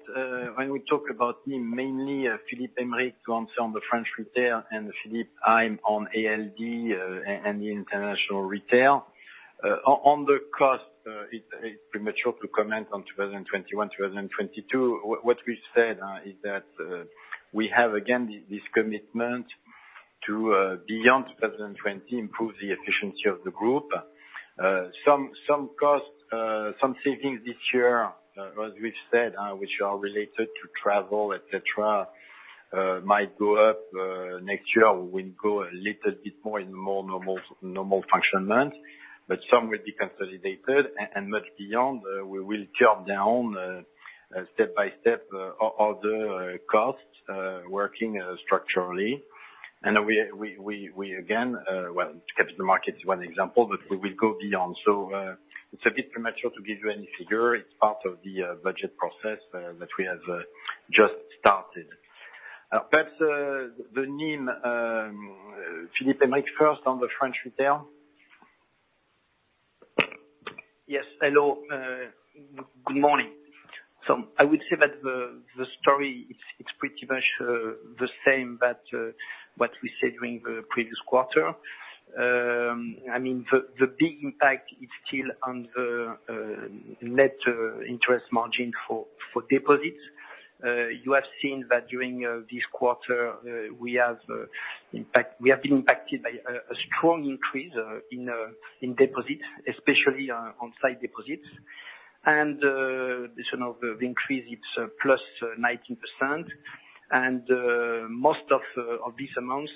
when we talk about NIM, mainly Philippe Aymerich to answer on the French retail and Philippe Heim on ALD and the international retail. On the cost, it's premature to comment on 2021, 2022. What we've said is that we have, again, this commitment to beyond 2020, improve the efficiency of the group. Some savings this year, as we've said, which are related to travel, etc, might go up next year, will go a little bit more in more normal function months, but some will be consolidated, and much beyond, we will curb down, step by step, other costs, working structurally. We, again, well, capital markets is one example, but we will go beyond. It's a bit premature to give you any figure. It's part of the budget process that we have just started. Perhaps, the NIM, Philippe, maybe first on the French retail. Yes. Hello, good morning. I would say that the story, it's pretty much the same, that what we said during the previous quarter. The big impact is still on the net interest margin for deposits. You have seen that during this quarter, we have been impacted by a strong increase in deposits, especially on sight deposits. This increase, it's +19%. Most of these amounts,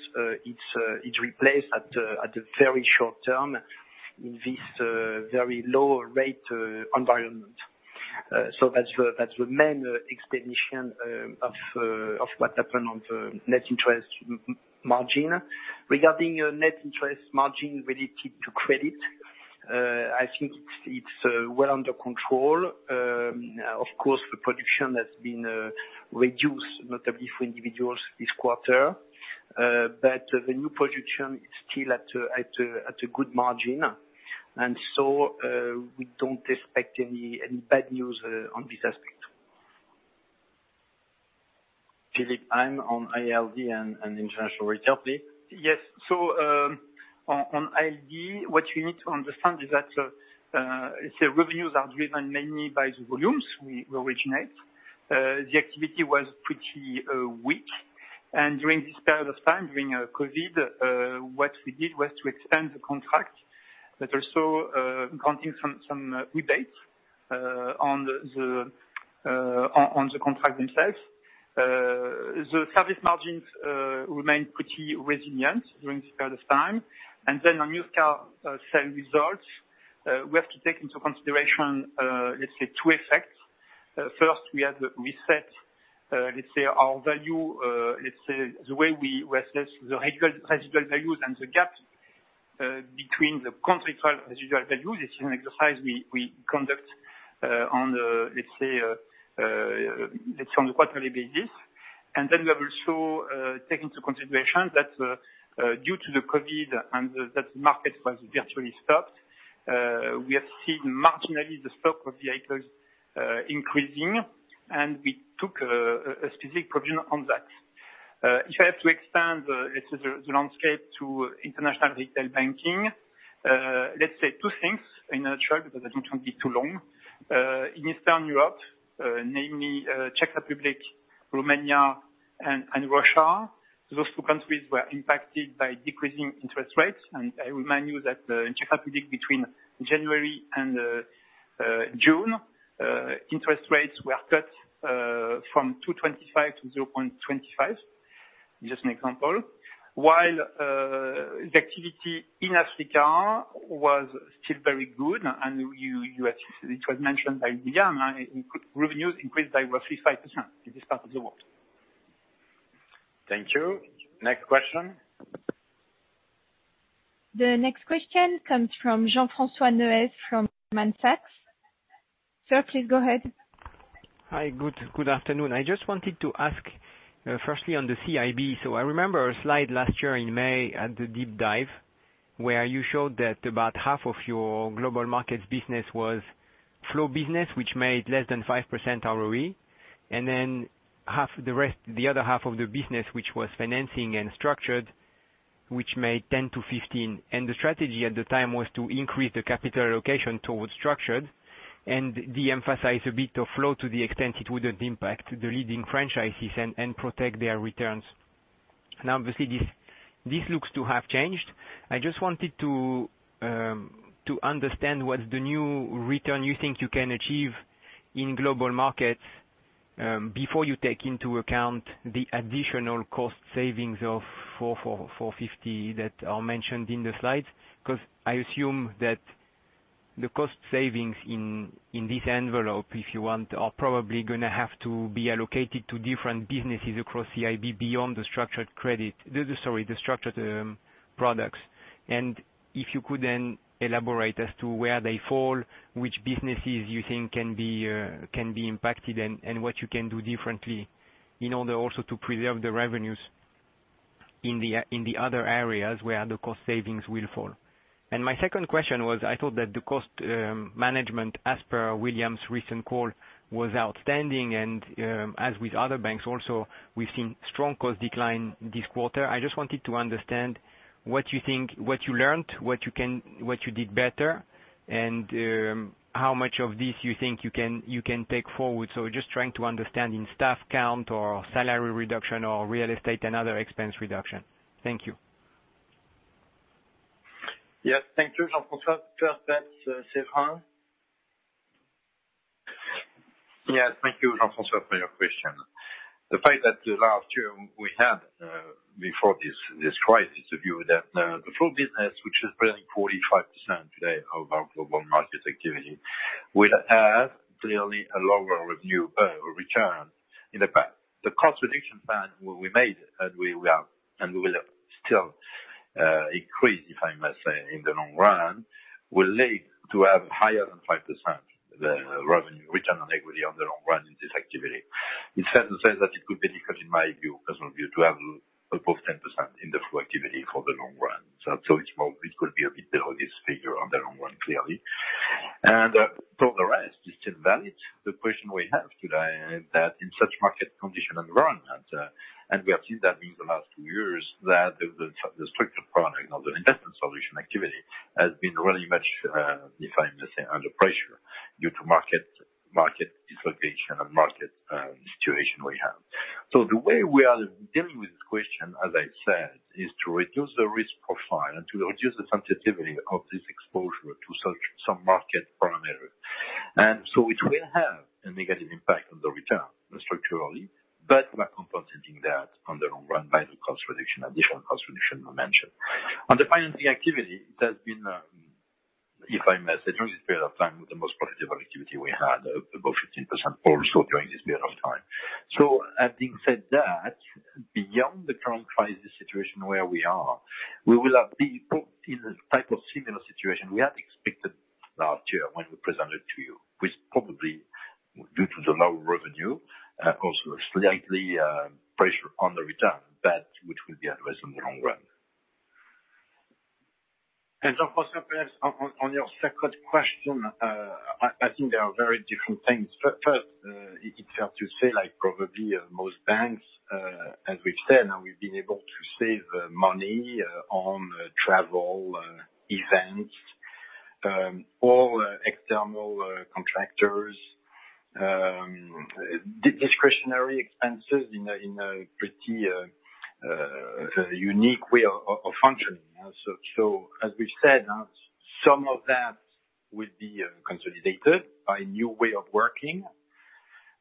it's replaced at the very short-term in this very low-rate environment. That's the main explanation of what happened on the net interest margin. Regarding net interest margin related to credit, I think it's well under control. Of course, the production has been reduced, notably for individuals this quarter. The new production is still at a good margin. We don't expect any bad news on this aspect. Philippe Heim on ALD and international retail, please. Yes. On ALD, what you need to understand is that, let's say revenues are driven mainly by the volumes we originate. The activity was pretty weak, and during this period of time, during COVID, what we did was to extend the contract that also granting some rebates on the contract themselves. The service margins remained pretty resilient during this period of time. Then on used car sale results, we have to take into consideration, let's say, two effects. First, we had to reset, let's say the way we assess the residual values and the gap between the contract residual values. This is an exercise we conduct on a quarterly basis. Then we have also take into consideration that due to the COVID and that market was virtually stopped, we have seen marginally the stock of vehicles increasing, and we took a specific provision on that. If I have to expand the landscape to international retail banking, let's say two things in a nutshell, because I don't want to be too long. In Eastern Europe, namely Czech Republic, Romania, and Russia, those two countries were impacted by decreasing interest rates. I remind you that the Czech Republic between January and June, interest rates were cut from 2.25% to 0.25%, just an example. The activity in Africa was still very good, and it was mentioned by William, revenues increased by roughly 5% in this part of the world. Thank you. Next question. The next question comes from Jean-François Neuez from Goldman Sachs. Sir, please go ahead. Hi. Good afternoon. I just wanted to ask, firstly, on the CIB. I remember a slide last year in May at the deep dive, where you showed that about half of your global markets business was flow business, which made less than 5% ROE. The other half of the business, which was financing and structured, which made 10%-15%, and the strategy at the time was to increase the capital allocation towards structured and de-emphasize a bit of flow to the extent it wouldn't impact the leading franchises and protect their returns. Now, obviously, this looks to have changed. I just wanted to understand what's the new return you think you can achieve in global markets, before you take into account the additional cost savings of 450 million that are mentioned in the slides. I assume that the cost savings in this envelope, if you want, are probably going to have to be allocated to different businesses across CIB beyond the structured products. If you could then elaborate as to where they fall, which businesses you think can be impacted, and what you can do differently in order also to preserve the revenues in the other areas where the cost savings will fall. My second question was, I thought that the cost management, as per William's recent call, was outstanding. As with other banks also, we've seen strong cost decline this quarter. I just wanted to understand what you think, what you learned, what you did better, and how much of this you think you can take forward. Just trying to understand in staff count or salary reduction or real estate and other expense reduction. Thank you. Yes. Thank you, Jean-François. Perhaps, Séverin. Yes. Thank you, Jean-François, for your question. The fact that the last year we had, before this crisis, a view that the full business, which is representing 45% today of our global markets activity, will have clearly a lower revenue return in the past. The cost reduction plan we made, and we will have still increased, if I may say, in the long run, will lead to have higher than 5% the revenue return on equity on the long run in this activity. It's certain say that it could be because, in my view, personal view, to have above 10% in the full activity for the long run. It could be a bit above this figure on the long run, clearly. For the rest, it's still valid. The question we have today is that in such market condition environment, and we have seen that in the last two years, that the structured product or the investment solution activity has been really much, if I may say, under pressure due to market dislocation and market situation we have. The way we are dealing with this question, as I said, is to reduce the risk profile and to reduce the sensitivity of this exposure to some market parameters. It will have a negative impact on the return structurally, but we are compensating that on the long run by the additional cost reduction I mentioned. On the financing activity, it has been, if I may say, during this period of time, the most profitable activity we had, above 15% also during this period of time. Having said that, beyond the current crisis situation where we are, we will be put in a type of similar situation we had expected last year when we presented to you, which probably due to the low revenue, cause slightly pressure on the return, but which will be addressed in the long run. Of course, perhaps on your second question, I think they are very different things. First, it's fair to say, like probably most banks, as we've said, we've been able to save money on travel, events, all external contractors, discretionary expenses in a pretty unique way of functioning. As we've said, some of that will be consolidated by new way of working.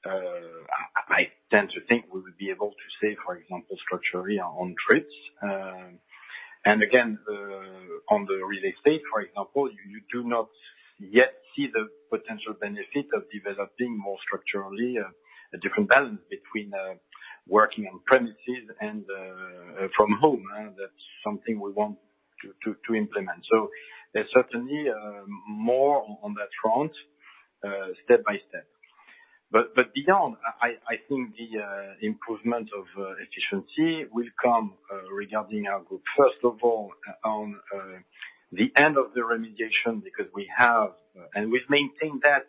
I tend to think we will be able to save, for example, structurally on trips. Again, on the real estate, for example, you do not yet see the potential benefit of developing more structurally, a different balance between working on premises and from home. That's something we want to implement. There's certainly more on that front, step by step. Beyond, I think the improvement of efficiency will come regarding our group, first of all, on the end of the remediation, because we've maintained that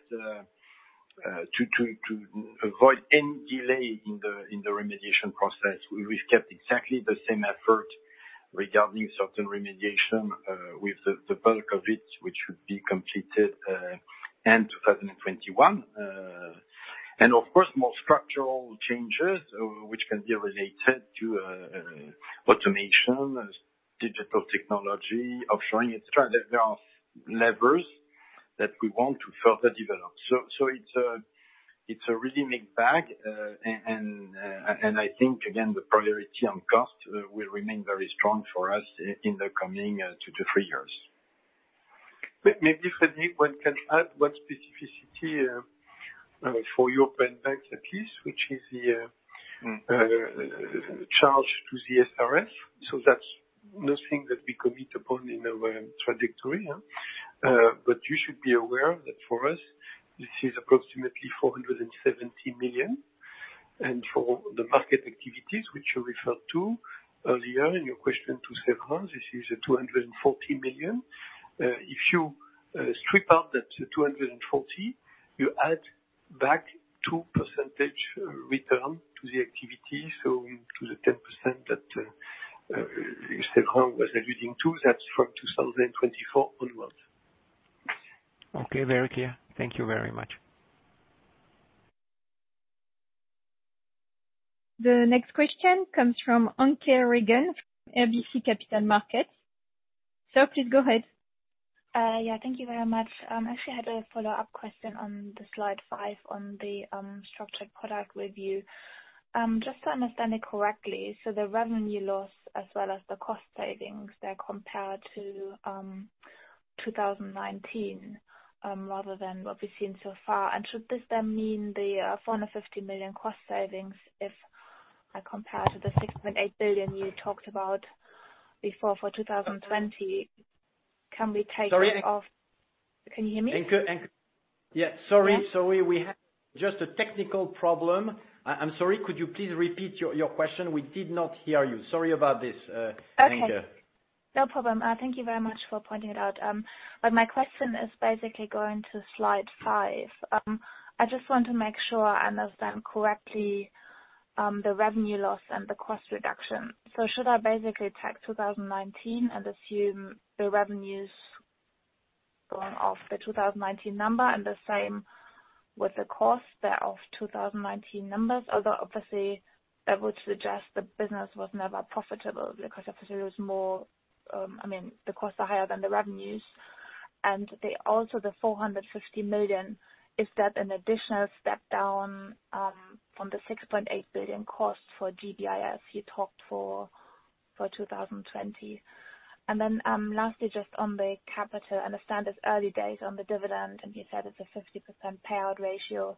to avoid any delay in the remediation process. We've kept exactly the same effort regarding certain remediation, with the bulk of it, which would be completed end 2021. Of course, more structural changes which can be related to automation, digital technology, offshoring, etc. There are levers that we want to further develop. It's a really mixed bag, and I think, again, the priority on cost will remain very strong for us in the coming two to three years. Maybe, Frédéric, one can add one specificity for European banks at least. Which is charge to the SRF. That's nothing that we commit upon in our trajectory. You should be aware that for us, this is approximately 470 million. For the market activities which you referred to earlier in your question to Séverin, this is 240 million. If you strip out that 240 million, you add back 2% return to the activity, so to the 10% that Séverin was alluding to, that's from 2024 onwards. Okay. Very clear. Thank you very much. The next question comes from Anke Reingen from RBC Capital Markets. Sir, please go ahead. Yeah. Thank you very much. I actually had a follow-up question on the slide five on the structured product review. Just to understand it correctly, so the revenue loss as well as the cost savings, they're compared to 2019, rather than what we've seen so far. Should this then mean the 450 million cost savings, if I compare to the 6.8 billion you talked about before for 2020? Sorry. Can you hear me? Anke, Yeah, sorry. Yeah. Sorry, we had just a technical problem. I'm sorry, could you please repeat your question? We did not hear you. Sorry about this, Anke. Okay. No problem. Thank you very much for pointing it out. My question is basically going to slide five. I just want to make sure I understand correctly the revenue loss and the cost reduction. Should I basically take 2019 and assume the revenues going off the 2019 number, and the same with the cost, they're off 2019 numbers. Although obviously that would suggest the business was never profitable because obviously, the costs are higher than the revenues. Also the 450 million, is that an additional step down from the 6.8 billion costs for GBIS you talked for 2020? Lastly, just on the capital, I understand it's early days on the dividend, and you said it's a 50% payout ratio,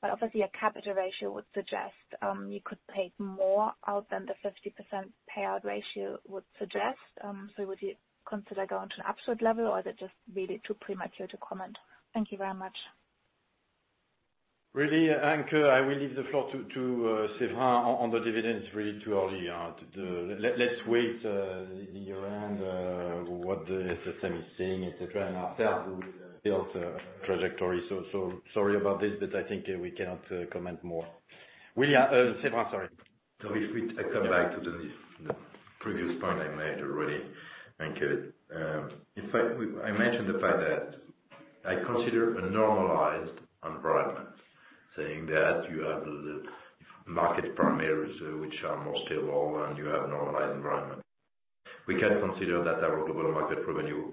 but obviously a capital ratio would suggest you could pay more out than the 50% payout ratio would suggest. Would you consider going to an absolute level, or is it just really too premature to comment? Thank you very much. Really, Anke, I will leave the floor to Séverin on the dividend. It's really too early. Let's wait, year-end, what the system is saying, etc, and after we build the trajectory. Sorry about this, but I think we cannot comment more. Séverin, sorry. If we come back to the previous point I made already, Anke. In fact, I mentioned the fact that I consider a normalized environment, saying that you have the market parameters which are more stable and you have normalized environment. We can consider that our global market revenue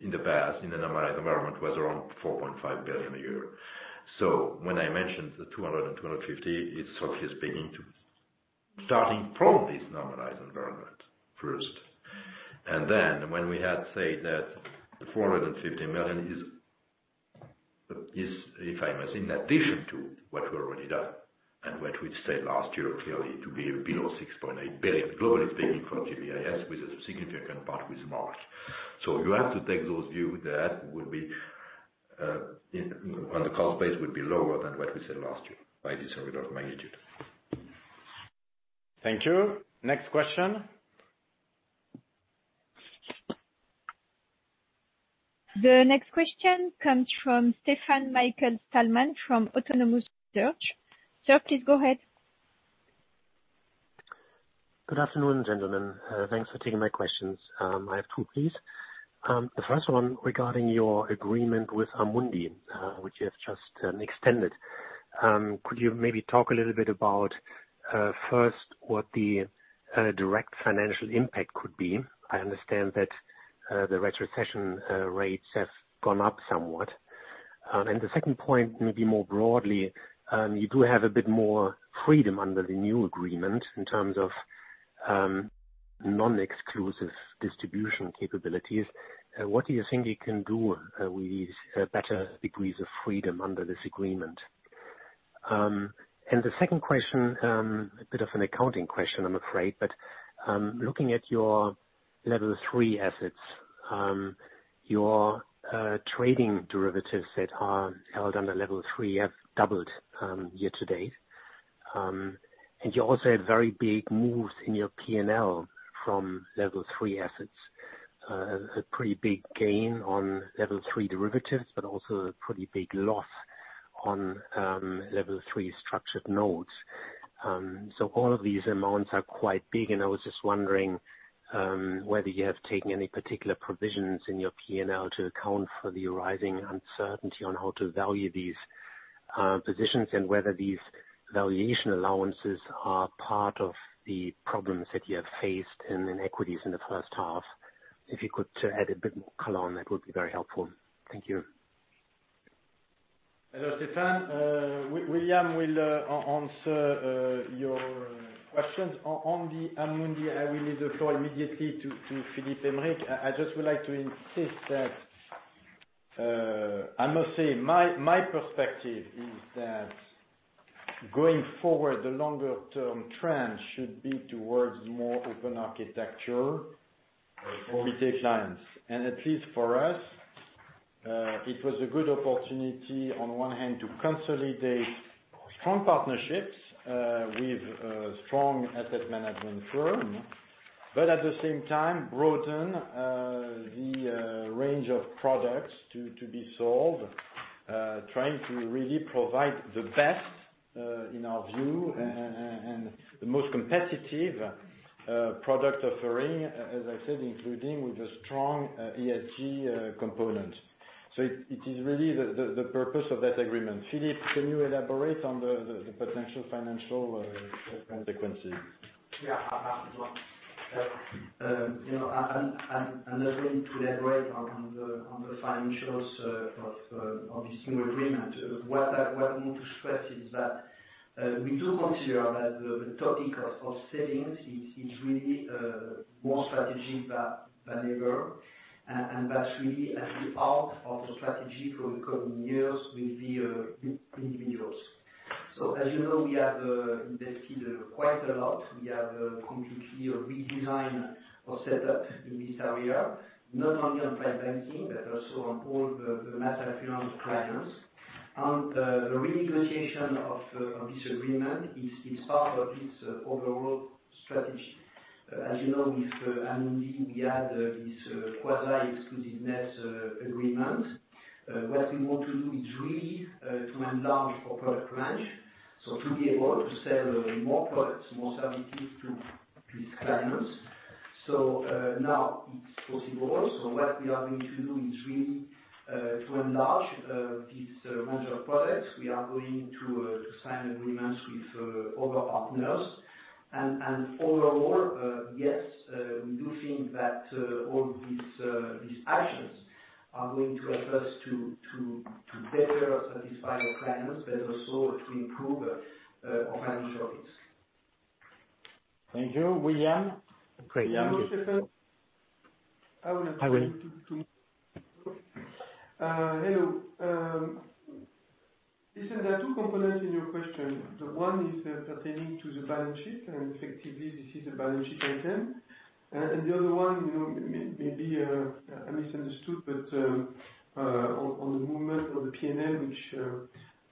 in the past, in a normalized environment, was around 4.5 billion a year. When I mentioned the 200 million and 250 million, it's obviously speaking to starting from this normalized environment first. Then when we had said that the 450 million is, if I may, in addition to what we already done, and what we'd said last year, clearly to be below 6.8 billion globally speaking for GBIS with a significant part with market. You have to take those view that on a core base would be lower than what we said last year by this order of magnitude. Thank you. Next question. The next question comes from Stefan Stalmann from Autonomous Research. Sir, please go ahead. Good afternoon, gentlemen. Thanks for taking my questions. I have two, please. The first one regarding your agreement with Amundi, which you have just extended. Could you maybe talk a little bit about, first, what the direct financial impact could be? I understand that the retrocession rates have gone up somewhat. The second point, maybe more broadly, you do have a bit more freedom under the new agreement in terms of non-exclusive distribution capabilities. What do you think you can do with better degrees of freedom under this agreement? The second question, a bit of an accounting question, I'm afraid, but looking at your Level 3 assets, your trading derivatives that are held under Level 3 have doubled year to date. You also had very big moves in your P&L from Level 3 assets. A pretty big gain on Level 3 derivatives, also a pretty big loss on Level 3 structured nodes. All of these amounts are quite big, and I was just wondering whether you have taken any particular provisions in your P&L to account for the arising uncertainty on how to value these positions, and whether these valuation allowances are part of the problems that you have faced in equities in the first half. If you could add a bit more color on that would be very helpful. Thank you. Hello, Stefan. William will answer your questions. On the Amundi, I will leave the floor immediately to Philippe Aymerich. I just would like to insist that, I must say, my perspective is that going forward, the longer-term trend should be towards more open architecture for retail clients. At least for us, it was a good opportunity on one hand to consolidate strong partnerships with a strong asset management firm, but at the same time broaden the range of products to be sold, trying to really provide the best, in our view, and the most competitive product offering, as I said, including with a strong ESG component. It is really the purpose of that agreement. Philippe, can you elaborate on the potential financial consequences? Yeah. I'm not going to elaborate on the financials of this new agreement. What I want to stress is that we do consider that the topic of savings is really more strategic than ever, and that really at the heart of the strategy for the coming years will be individuals. As you know, we have invested quite a lot. We have completely redesigned our setup in this area, not only on private banking, but also on all the wealth management clients. The renegotiation of this agreement is part of this overall strategy. As you know, with Amundi, we had this quasi-exclusiveness agreement What we want to do is really to enlarge our product range, so to be able to sell more products, more services to these clients. Now it's possible. What we are going to do is really to enlarge this range of products. We are going to sign agreements with other partners and overall, yes, we do think that all these actions are going to help us to better satisfy the clients, but also to improve our financial risk. Thank you. William? Great. Hello, Stefan. Hi, Willy. Hello. Listen, there are two components in your question. The one is pertaining to the balance sheet, and effectively this is a balance sheet item. The other one maybe I misunderstood, but on the movement of the P&L, which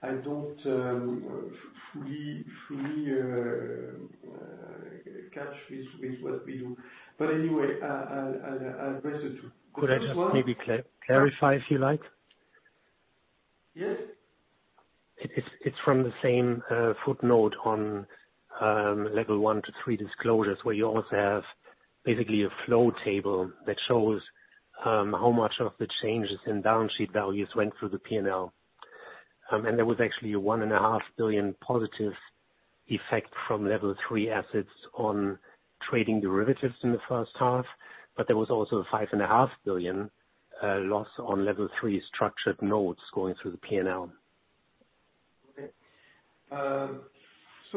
I don't fully catch with what we do. Anyway, I'll address it. Could I just maybe clarify if you like? Yes. It's from the same footnote on Level 1-3 disclosures, where you also have basically a flow table that shows how much of the changes in balance sheet values went through the P&L. There was actually a 1.5 billion positive effect from Level 3 assets on trading derivatives in the first half. There was also a 5.5 billion loss on Level 3 structured notes going through the P&L. Okay. Fundamentally,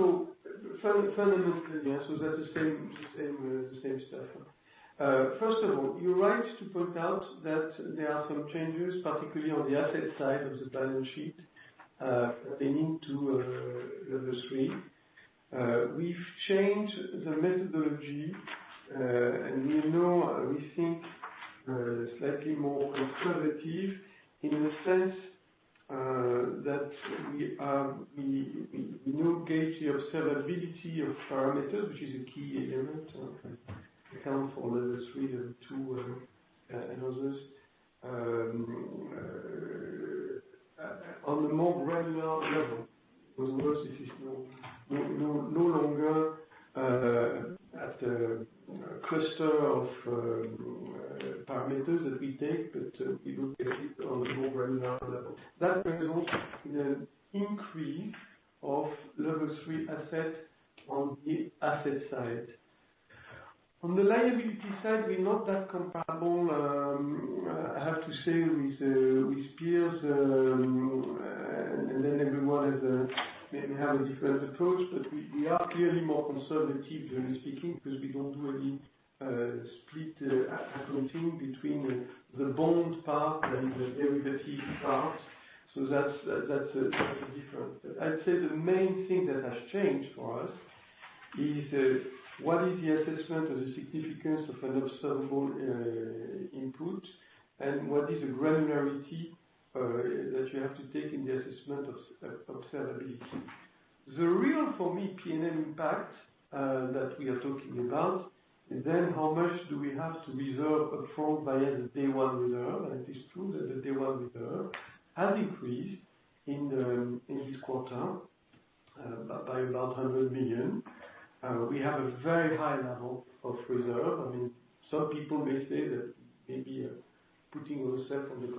yes, that's the same stuff. First of all, you're right to point out that there are some changes, particularly on the asset side of the balance sheet, pertaining to Level 3. We've changed the methodology, and we now think slightly more conservative in the sense that we now gauge the observability of parameters, which is a key element to account for Level 3 and 2, and others, on a more regular level. This is no longer at a cluster of parameters that we take, but we will get it on a more regular level. That results in an increase of Level 3 asset on the asset side. On the liability side, we're not that comparable, I have to say, with peers. Everyone maybe have a different approach, but we are clearly more conservative generally speaking, because we don't do any split accounting between the bond part and the derivative part. That's different. I'd say the main thing that has changed for us is what is the assessment of the significance of an observable input, and what is the granularity that you have to take in the assessment of observability? The real, for me, P&L impact that we are talking about is then how much do we have to reserve up front via the day one reserve. It is true that the day one reserve has increased in this quarter by about 100 million. We have a very high level of reserve. Some people may say that maybe putting ourselves on the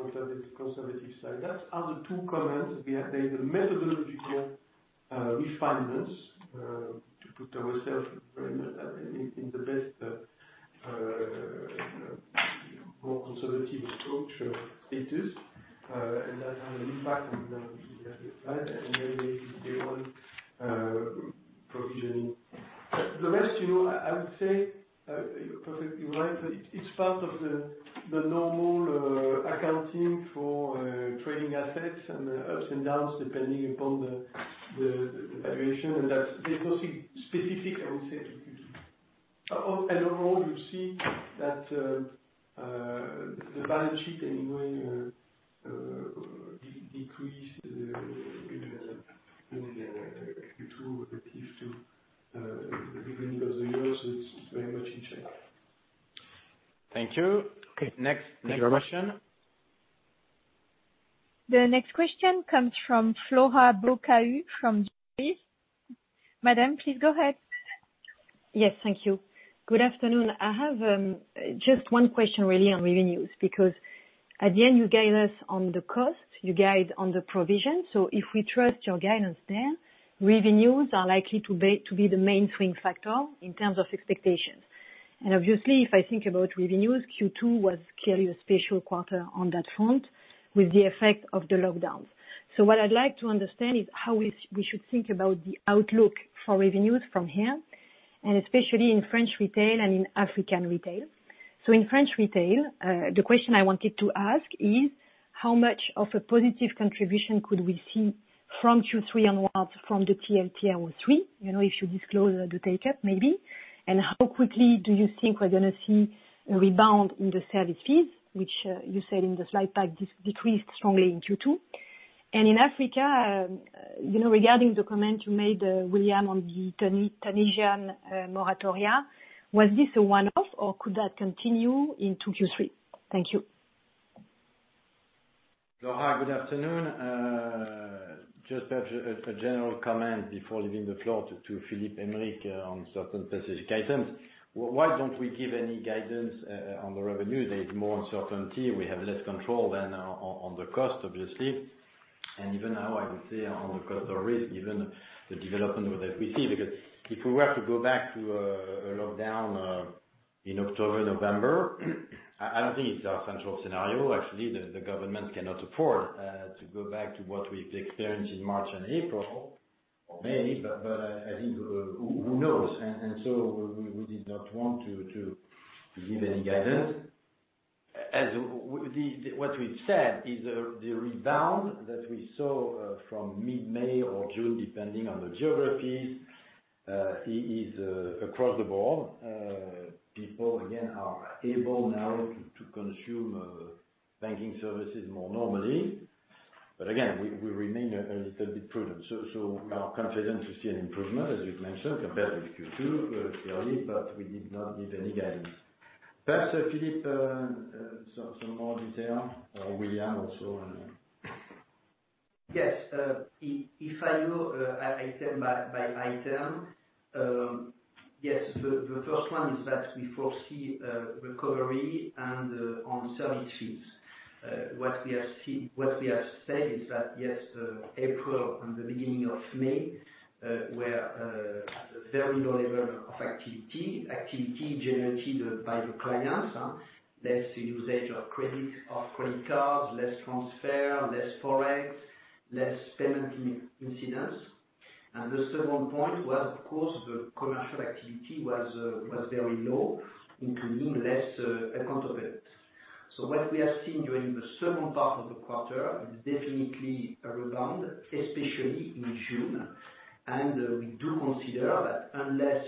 conservative side. That are the two comments. There is a methodological refinance to put ourselves in the best, more conservative approach status, and that has an impact on the asset side, and then the day one provisioning. The rest, I would say, you're perfectly right. It's part of the normal accounting for trading assets and the ups and downs depending upon the valuation. There's nothing specific, I would say. Overall, you see that the balance sheet anyway decreased in Q2 relative to the beginning of the year. It's very much in check. Thank you. Okay, next question. The next question comes from Flora Bocahut from Jefferies. Madam, please go ahead. Yes, thank you. Good afternoon. I have just one question really on revenues. At the end, you guide us on the cost, you guide on the provision. If we trust your guidance there, revenues are likely to be the main swing factor in terms of expectations. Obviously, if I think about revenues, Q2 was clearly a special quarter on that front with the effect of the lockdowns. What I'd like to understand is how we should think about the outlook for revenues from here, and especially in French retail and in African retail. In French retail, the question I wanted to ask is, how much of a positive contribution could we see from Q3 onwards from the TLTRO III, if you disclose the take-up maybe? How quickly do you think we're going to see a rebound in the service fees, which you said in the slide pack decreased strongly in Q2? In Africa, regarding the comment you made, William, on the Tunisian moratoria, was this a one-off, or could that continue into Q3? Thank you. Flora, good afternoon. Just a general comment before leaving the floor to Philippe Aymerich on certain specific items. Why don't we give any guidance on the revenue? There is more uncertainty. We have less control than on the cost, obviously. Even now, I would say, on the cost, there is even the development that we see, because if we were to go back to a lockdown in October, November, I don't think it's our central scenario. Actually, the government cannot afford to go back to what we've experienced in March and April or May, but I think, who knows? We did not want to give any guidance. What we've said is the rebound that we saw from mid-May or June, depending on the geographies, is across the board. People, again, are able now to consume banking services more normally. Again, we remain a little bit prudent. Our confidence is still an improvement, as you've mentioned, compared with Q2 clearly, but we did not give any guidance. Perhaps Philippe, some more detail, or William also on that. Yes. If I go item by item. The first one is that we foresee recovery on service fees. What we have said is that April and the beginning of May, were a very low level of activity generated by the clients. Less usage of credit cards, less transfer, less Forex, less payment incidents. The second point was, of course, the commercial activity was very low, including less account opened. What we have seen during the second part of the quarter is definitely a rebound, especially in June, and we do consider that unless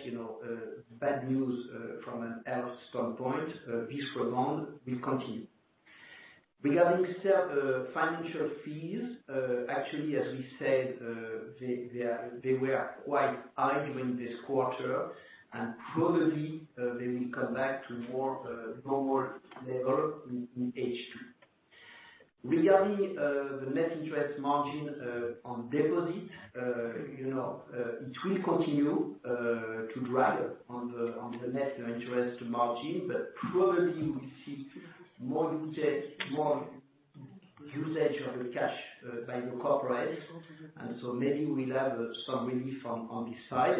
bad news from an health standpoint, this rebound will continue. Regarding financial fees, actually, as we said, they were quite high during this quarter, and probably they will come back to more normal level in H2. Regarding the net interest margin on deposit, it will continue to drag on the net interest margin, but probably we will see more usage of the cash by the corporates, and so maybe we'll have some relief on this side.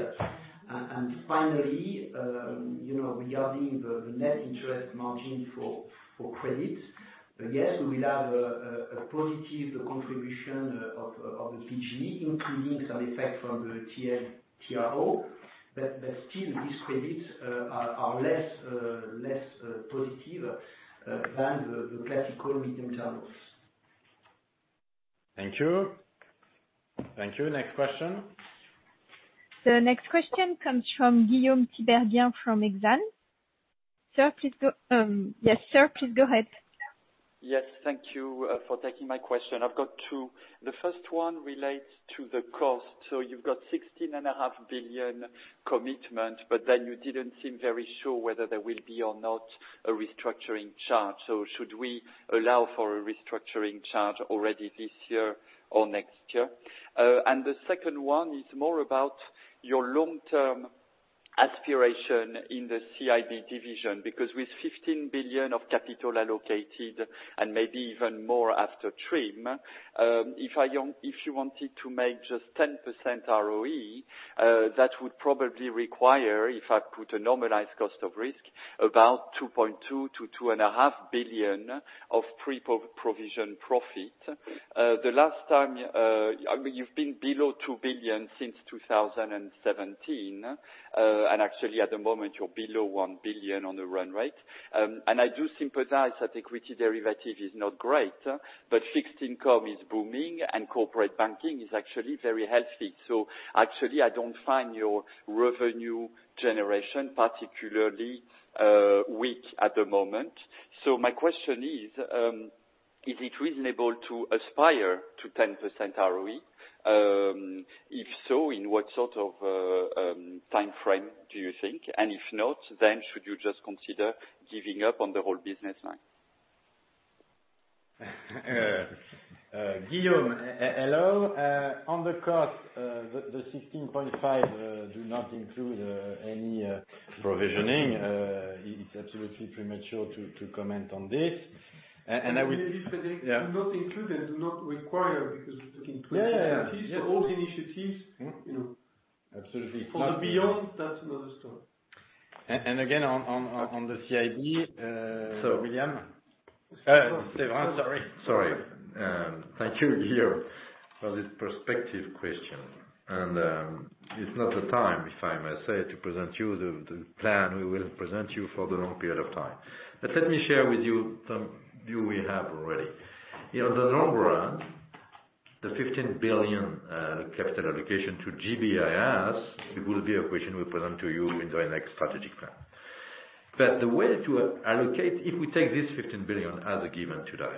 Finally, regarding the net interest margin for credit, yes, we will have a positive contribution of the PGE, including some effect from the TLTRO, but still these credits are less positive than the classical medium terms. Thank you. Thank you. Next question. The next question comes from Guillaume Tiberghien from Exane. Yes, sir, please go ahead. Yes, thank you for taking my question. I have got two. The first one relates to the cost. You have got 16.5 billion commitment, but then you did not seem very sure whether there will be or not a restructuring charge. Should we allow for a restructuring charge already this year or next year? The second one is more about your long-term aspiration in the CIB division, because with 15 billion of capital allocated and maybe even more after TRIM, if you wanted to make just 10% ROE, that would probably require, if I put a normalized cost of risk, about 2.2 billion-2.5 billion of pre-provision profit. You have been below 2 billion since 2017, and actually, at the moment, you are below 1 billion on the run rate. I do sympathize that equity derivative is not great, but fixed income is booming, and corporate banking is actually very healthy. Actually, I don't find your revenue generation particularly weak at the moment. My question is it reasonable to aspire to 10% ROE? If so, in what sort of timeframe do you think? If not, then should you just consider giving up on the whole business line? Guillaume, hello. On the cost, the 16.5 million do not include. Provisioning. It's absolutely premature to comment on this. Frédéric, do not include and do not require, because we're looking- Yeah.... at all initiatives. Absolutely. For the beyond, that's another story. Again, on the CIB. William. Sorry. Sorry. Thank you, Guillaume, for this perspective question. It's not the time, if I may say, to present you the plan. We will present you for the long period of time. Let me share with you some view we have already. In the long run, the 15 billion capital allocation to GBIS, it will be a question we present to you in the next strategic plan. The way to allocate, if we take this 15 billion as a given today,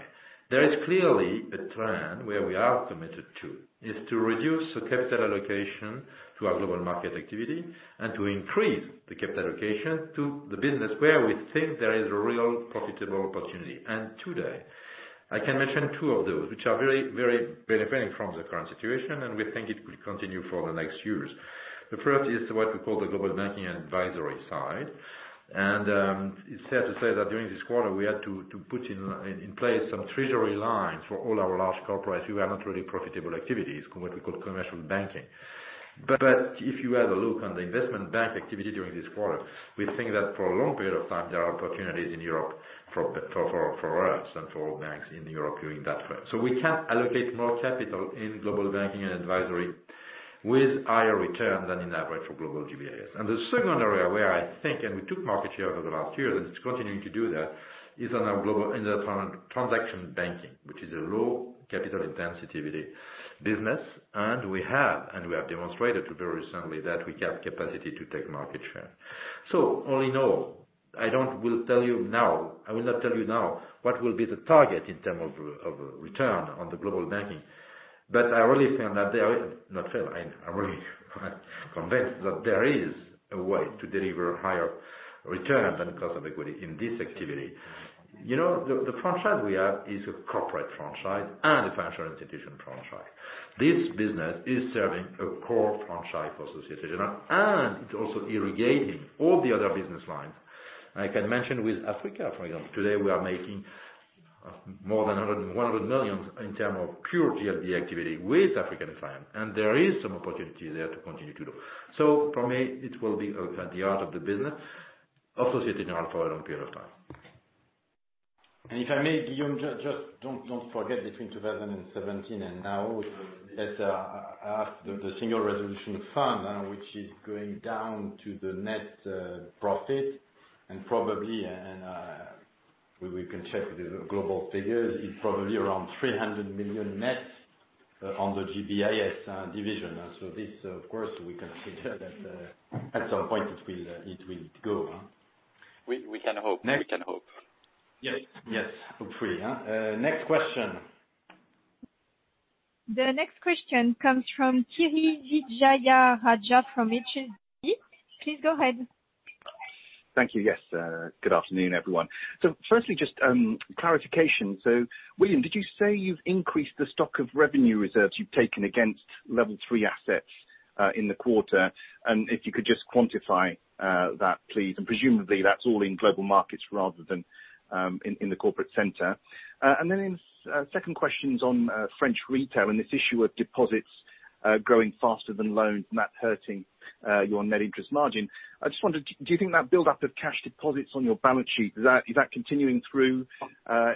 there is clearly a trend where we are committed to, is to reduce the capital allocation to our global market activity, and to increase the capital allocation to the business where we think there is a real profitable opportunity. Today, I can mention two of those, which are very benefiting from the current situation, and we think it will continue for the next years. The first is what we call the global banking and advisory side. It's fair to say that during this quarter, we had to put in place some treasury lines for all our large corporate who are not really profitable activities, what we call commercial banking. If you have a look on the investment bank activity during this quarter, we think that for a long period of time, there are opportunities in Europe for us and for banks in Europe doing that work. We can allocate more capital in global banking and advisory with higher return than in average for global GBIS. The second area where I think, and we took market share over the last years, and it's continuing to do that, is in the transaction banking, which is a low capital intensity business. We have demonstrated very recently that we have capacity to take market share. All in all, I will not tell you now what will be the target in term of return on the global banking. I really feel, not feel, I'm really convinced that there is a way to deliver higher return than cost of equity in this activity. The franchise we have is a corporate franchise and a financial institution franchise. This business is serving a core franchise for Société Générale, and it also irrigating all the other business lines. I can mention with Africa, for example, today we are making more than 100 million in term of pure GTB activity with African clients, and there is some opportunity there to continue to do. For me, it will be at the heart of the business of Société Générale for a long period of time. If I may, Guillaume, just don't forget between 2017 and now, that the Single Resolution Fund, which is going down to the net profit and probably, and we can check the global figures, is probably around 300 million net on the GBIS division. This, of course, we can figure that, at some point it will go. We can hope. Yes. Hopefully. Next question. The next question comes from Kiri Vijayarajah from HSBC. Please go ahead. Thank you. Yes, good afternoon, everyone. Firstly, just clarification. William, did you say you've increased the stock of revenue reserves you've taken against Level 3 assets, in the quarter? If you could just quantify that, please, and presumably that's all in global markets rather than in the corporate center. Second question is on French retail and this issue of deposits growing faster than loans, and that hurting your net interest margin. I just wondered, do you think that buildup of cash deposits on your balance sheet, is that continuing through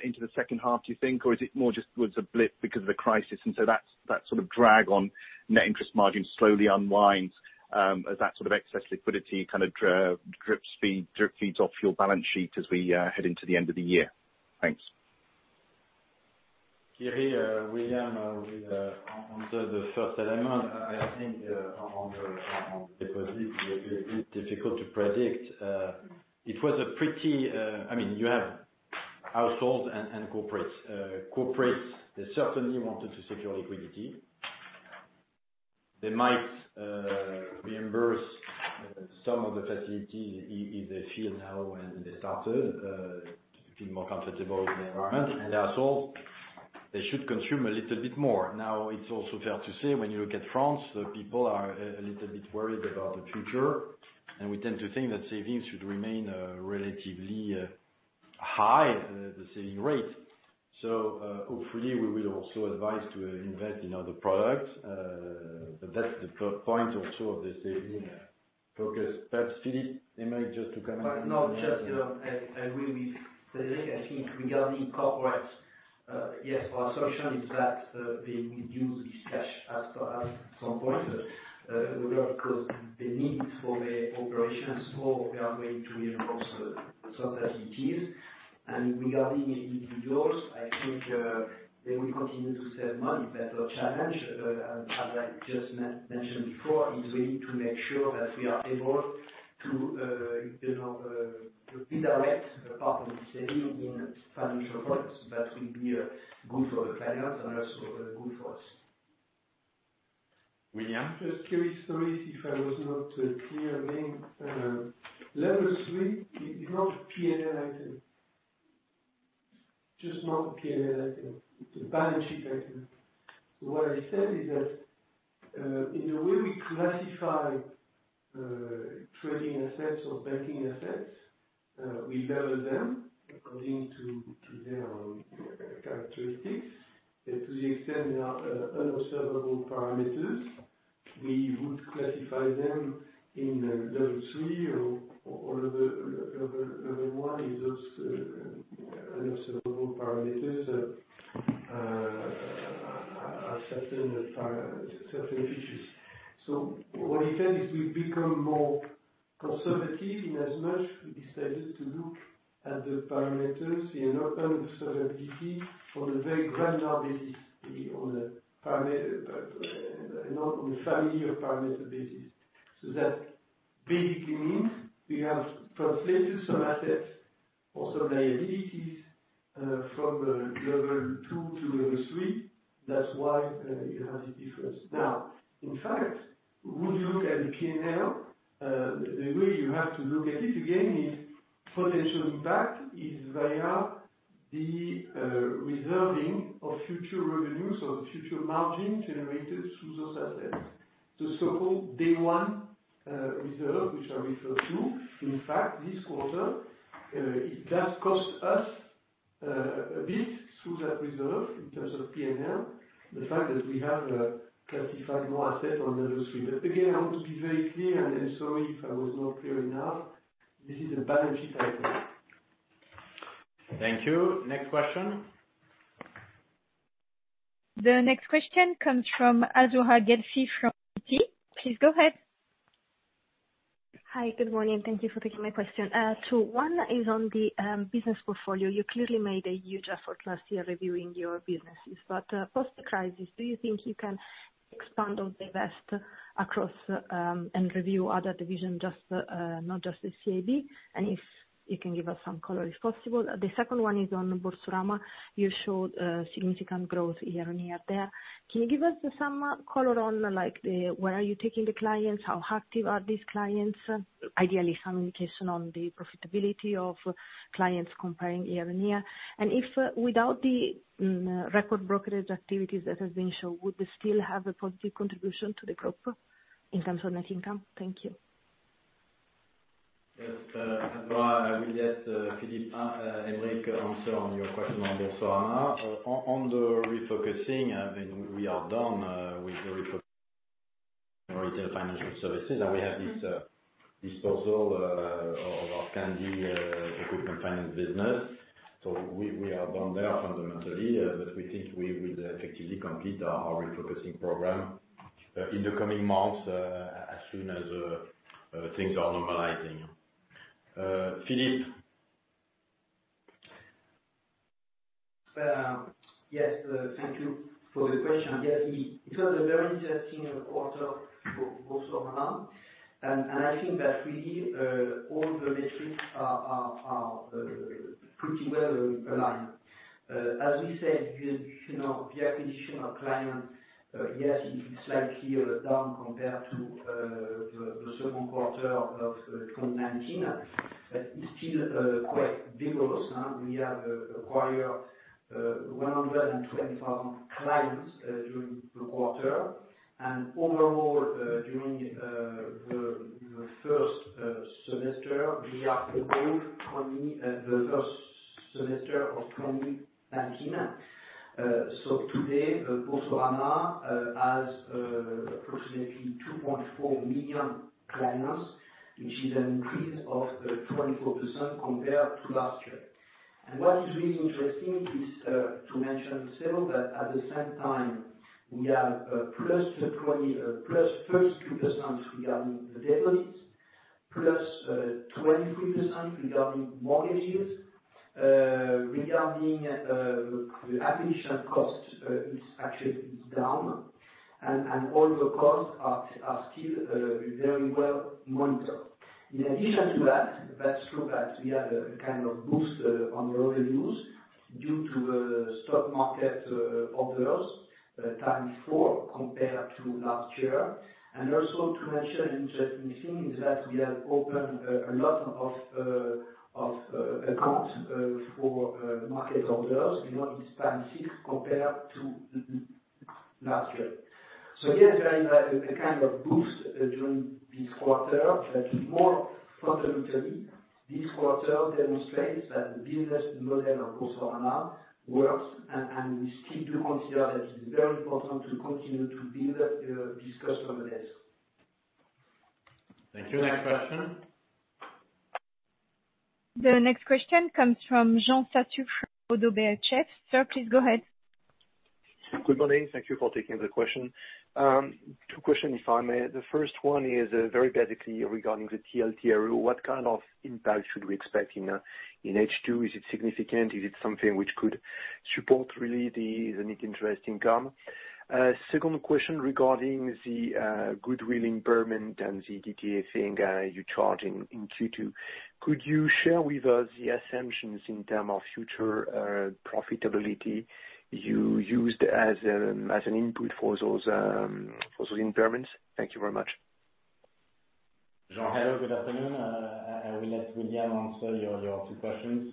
into the second half, do you think, or is it more just was a blip because of the crisis and so that sort of drag on net interest margin slowly unwinds, as that sort of excess liquidity kind of drip-feeds off your balance sheet as we head into the end of the year? Thanks. Kiri, William, on the first element, I think, on deposit, a bit difficult to predict. You have households and corporates. Corporates, they certainly wanted to secure liquidity. They might reimburse some of the facilities if they feel now when they started, to feel more comfortable in the environment, and also they should consume a little bit more. Now, it's also fair to say, when you look at France, the people are a little bit worried about the future, and we tend to think that savings should remain relatively high, the saving rate. Hopefully we will also advise to invest in other products. That's the point also of the saving focus. Perhaps Philippe, maybe just to comment. No, just I agree with Frédéric. I think regarding corporates, yes, our assumption is that they will use this cash at some point. The need for the operations for we are going to reinforce some activities. Regarding individuals, I think, they will continue to save money. The challenge, as I just mentioned before, is we need to make sure that we are able to redirect a part of the saving in financial products. That will be good for the clients and also good for us. William? Just Kiri, sorry if I was not clear. Level 3 is not a P&L item. Just not a P&L item. It's a balance sheet item. What I said is that, in the way we classify trading assets or banking assets, we level them according to their characteristics. To the extent there are unobservable parameters, we would classify them in Level 3 or Level 1 is also unobservable parameters have certain features. What we said is we've become more conservative in as much we decided to do at the parameters in open observability on a very granular basis, on a family of parameter basis. That basically means we have translated some assets or some liabilities from Level 2 to Level 3. That's why you have the difference. In fact, would you look at the PNL, the way you have to look at it, again, is potential impact is via the reserving of future revenues or future margin generated through those assets. The so-called day one reserve, which I refer to. In fact, this quarter, it does cost us a bit through that reserve in terms of PNL. The fact that we have classified more assets on Level 3. Again, I want to be very clear, and I'm sorry if I was not clear enough. This is a balance sheet item. Thank you. Next question. The next question comes from Azzurra Guelfi from Citi. Please go ahead. Hi. Good morning. Thank you for taking my question. One is on the business portfolio. You clearly made a huge effort last year reviewing your businesses. Post the crisis, do you think you can expand or divest across, and review other division, not just the CIB, and if you can give us some color, if possible. The second one is on Boursorama. You showed significant growth year-on-year there. Can you give us some color on where are you taking the clients, how active are these clients? Ideally, some indication on the profitability of clients comparing year-on-year. If without the record brokerage activities that have been shown, would they still have a positive contribution to the group in terms of net income? Thank you. Yes. Azzurra, I will let Philippe and Frédéric answer on your question on Boursorama. On the refocusing, I mean, we are done with the refocusing retail financial services, and we have this disposal of our SG Finans equipment finance business. We are done there fundamentally, but we think we will effectively complete our refocusing program in the coming months, as soon as things are normalizing. Philippe. Yes, thank you for the question. Yes, it was a very interesting quarter for Boursorama. I think that really, all the metrics are pretty well aligned. As we said, the acquisition of client, yes, it is slightly down compared to the second quarter of 2019. It's still quite vigorous. We have acquired 120,000 clients during the quarter. Overall, during the first semester, we are above the first semester of 2019. Today, Boursorama has approximately 2.4 million clients, which is an increase of 24% compared to last year. What is really interesting is to mention still that at the same time, we have +32% regarding the deposits, +23% regarding mortgages. Regarding the acquisition cost, it's actually down. All the costs are still very well monitored. In addition to that, it's true that we have a kind of boost on the revenues due to the stock market orders, times four compared to last year. Also to mention, interesting thing is that we have opened a lot of accounts for market orders. It's times six compared to last year. Yes, there is a kind of boost during this quarter, more fundamentally, this quarter demonstrates that the business model of Boursorama works, we still do consider that it's very important to continue to build this customer base. Thank you. Next question. The next question comes from [Jean-Sébastien Satge] from Oddo BHF. Sir, please go ahead. Good morning. Thank you for taking the question. Two question, if I may. The first one is very basically regarding the TLTRO. What kind of impact should we expect in H2? Is it significant? Is it something which could support really the net interest income? Second question regarding the goodwill impairment and the DTA you're charging in Q2. Could you share with us the assumptions in term of future profitability you used as an input for those impairments? Thank you very much. Jean, hello, good afternoon. I will let William answer your two questions.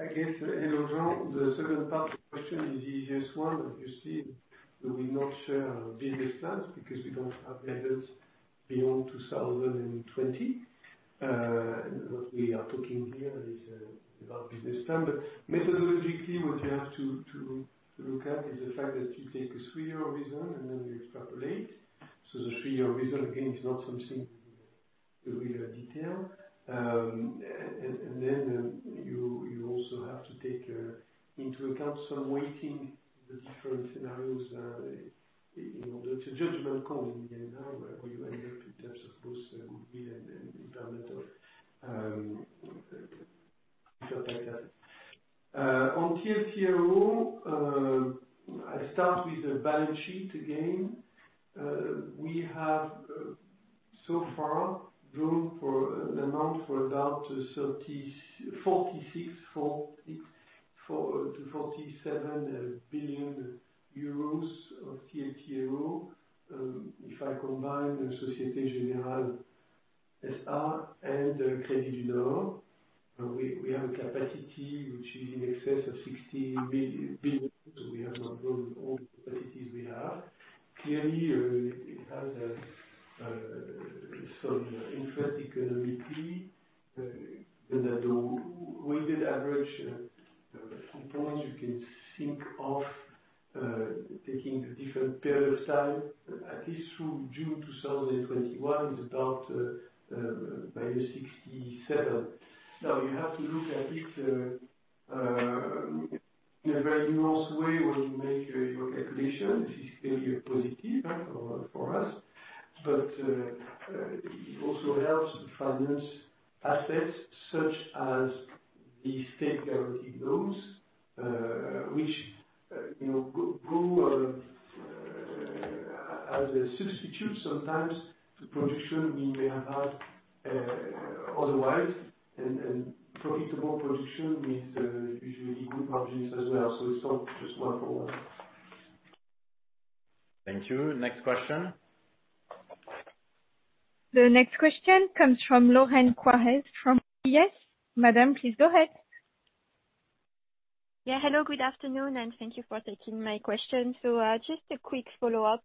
I guess, hello, Jean. The second part of the question is the easiest one. You see, we will not share our business plans because we don't have numbers beyond 2020. What we are talking here is about business plan. Methodologically, what you have to look at is the fact that we take a three-year vision, and then we extrapolate. The three-year vision, again, is not something that we detail. Also have to take into account some weighting the different scenarios, it's a judgment call in the end where you end up in terms of both yield and impairment of things like that. TLTRO, I start with the balance sheet again. We have so far drawn for an amount for about 46 billion-47 billion euros of TLTRO. If I combine Société Générale S.A. and Crédit du Nord, we have a capacity which is in excess of 60 billion. We have not drawn all capacities we have. Clearly, it has some interest economically, but the weighted average coupon, you can think of taking the different periods time, at least through June 2021, is about -67 million. Now, you have to look at it in a very nuanced way when you make your calculation. This is clearly a positive for us. It also helps finance assets such as the state-guaranteed loans which grow as a substitute sometimes to production we may have had otherwise. Profitable production means usually good margins as well. It's not just one for one. Thank you. Next question. The next question comes from Lorraine Quoirez from UBS. Madam, please go ahead. Yeah. Hello, good afternoon, and thank you for taking my question. Just a quick follow-up.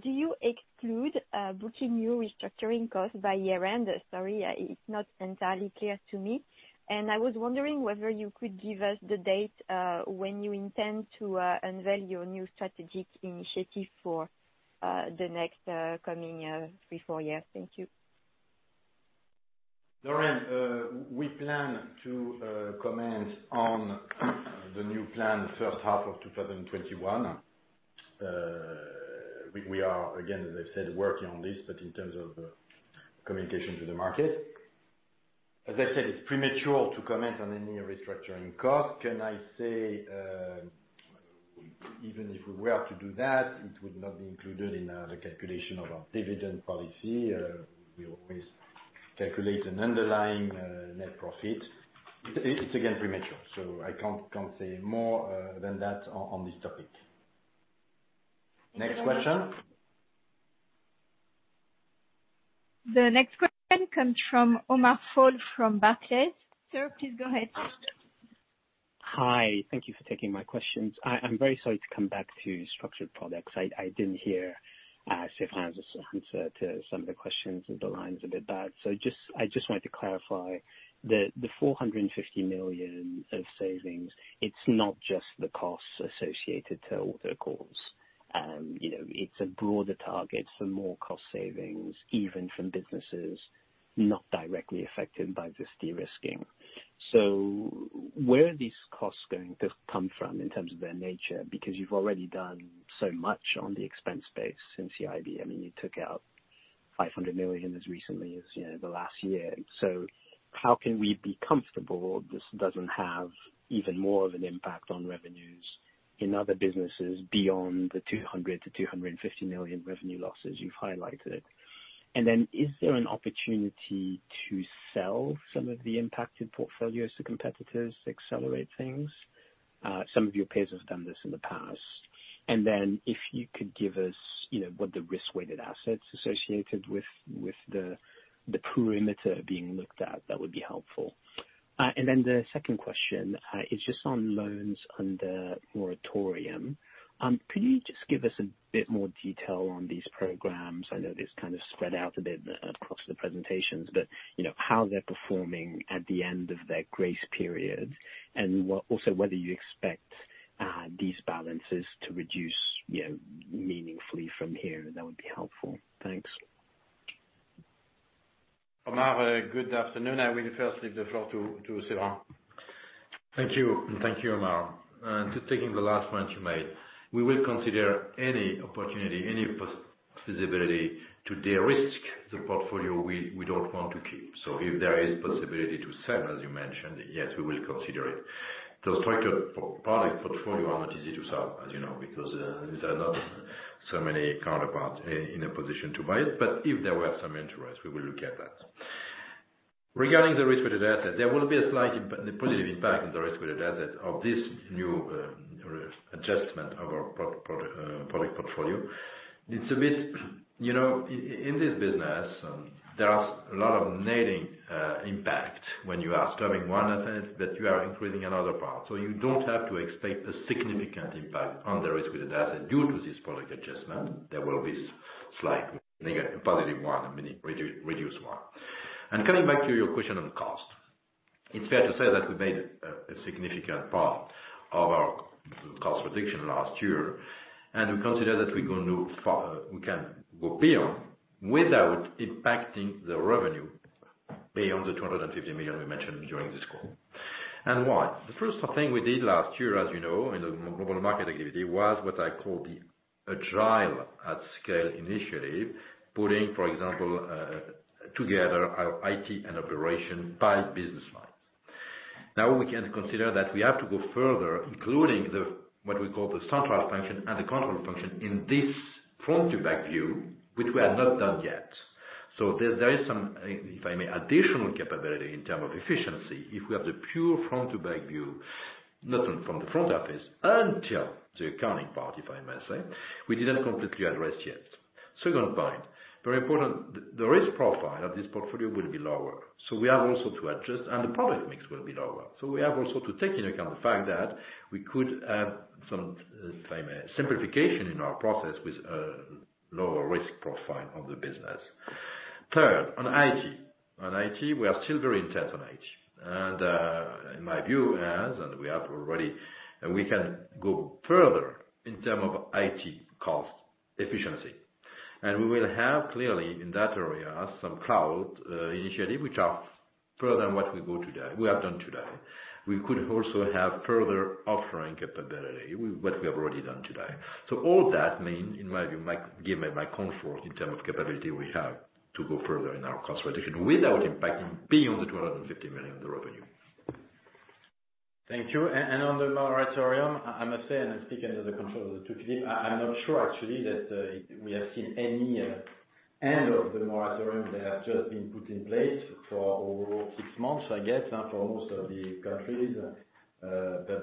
Do you exclude booking new restructuring costs by year-end? Sorry, it's not entirely clear to me. I was wondering whether you could give us the date, when you intend to unveil your new strategic initiative for the next coming three, four years. Thank you. Lorraine, we plan to comment on the new plan the first half of 2021. We are, again, as I said, working on this, but in terms of communication to the market. As I said, it's premature to comment on any restructuring cost. Can I say, even if we were to do that, it would not be included in the calculation of our dividend policy. We always calculate an underlying net profit. It's again premature, so I can't say more than that on this topic. Next question. The next question comes from Omar Fall from Barclays. Sir, please go ahead. Hi. Thank you for taking my questions. I am very sorry to come back to structured products. I didn't hear Séverin's answer to some of the questions, the line's a bit bad. I just wanted to clarify, the 450 million of savings, it's not just the costs associated to Auto calls. It's a broader target for more cost savings, even from businesses not directly affected by this de-risking. Where are these costs going to come from in terms of their nature? You've already done so much on the expense base since CIB. I mean, you took out 500 million as recently as the last year. How can we be comfortable this doesn't have even more of an impact on revenues in other businesses beyond the 200 million-250 million revenue losses you've highlighted? Is there an opportunity to sell some of the impacted portfolios to competitors to accelerate things? Some of your peers have done this in the past. If you could give us what the risk-weighted assets associated with the perimeter being looked at, that would be helpful. The second question is just on loans under moratorium. Could you just give us a bit more detail on these programs? I know this is kind of spread out a bit across the presentations, but how they're performing at the end of their grace period, and also whether you expect these balances to reduce meaningfully from here, that would be helpful. Thanks. Omar, good afternoon. I will first leave the floor to Séverin. Thank you. Thank you, Omar. To taking the last point you made, we will consider any opportunity, any possibility to de-risk the portfolio we don't want to keep. If there is possibility to sell, as you mentioned, yes, we will consider it. The structured product portfolio are not easy to sell, as you know, because there are not so many counterparts in a position to buy it. If there were some interest, we will look at that. Regarding the risk-weighted asset, there will be a slight positive impact on the risk-weighted asset of this new adjustment of our product portfolio. In this business, there are a lot of netting impact when you are disturbing one asset that you are increasing another part. You don't have to expect a significant impact on the risk-weighted asset due to this product adjustment. There will be slight negative, positive one and maybe reduced one. Coming back to your question on cost, it's fair to say that we made a significant part of our cost reduction last year, and we consider that we can go beyond. Without impacting the revenue beyond the 250 million we mentioned during this call. Why? The first thing we did last year, as you know, in the global market activity, was what I call the Agile at Scale initiative, putting, for example, together our IT and operation by business lines. We can consider that we have to go further, including what we call the central function and the control function in this front to back view, which we have not done yet. There is some, if I may, additional capability in terms of efficiency, if we have the pure front to back view, not only from the front office until the accounting part, if I may say, we didn't completely address yet. Second point, very important, the risk profile of this portfolio will be lower. We have also to adjust, and the product mix will be lower. We have also to take into account the fact that we could have some simplification in our process with a lower risk profile of the business. Third, on IT. On IT, we are still very intense on IT. My view is, we can go further in terms of IT cost efficiency. We will have, clearly, in that area, some cloud initiative, which are further than what we have done today. We could also have further offering capability, what we have already done today. All that means, in my view, might give my comfort in terms of capability we have to go further in our cost reduction without impacting beyond the 250 million revenue. Thank you. On the moratorium, I must say, I'm speaking under the control of Philippe, I'm not sure actually that we have seen any end of the moratorium. They have just been put in place for over six months, I guess, for most of the countries.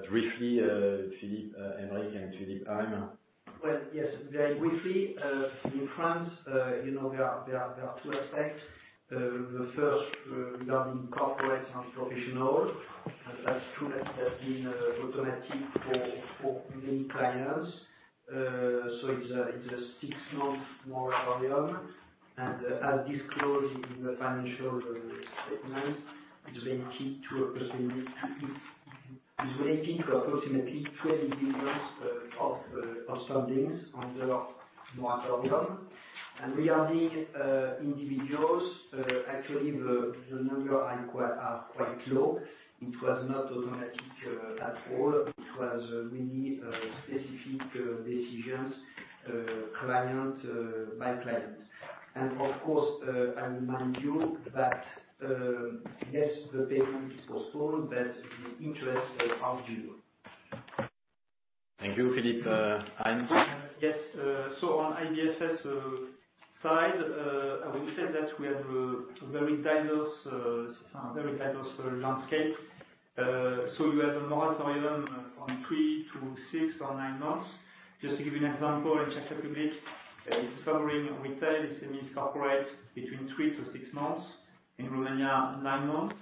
briefly, Philippe Aymerich and Philippe Heim. Well, yes, very briefly. In France, there are two aspects. The first regarding corporate and professional, that's true that there's been automatic for many clients. It's a six-month moratorium, and as disclosed in the financial statement, it's relating to approximately EUR 20 billion of standings under moratorium. Regarding individuals, actually, the numbers are quite low. It was not automatic at all. It was really specific decisions, client by client. Of course, I remind you that if the payment is postponed that the interest are due. Thank you. Philippe Heim. On IBFS side, I would say that we have a very diverse landscape. We have a moratorium from three to six or nine months. Just to give you an example, in Czech Republic, it is covering retail, semi-corporate between three to six months, in Romania, nine months.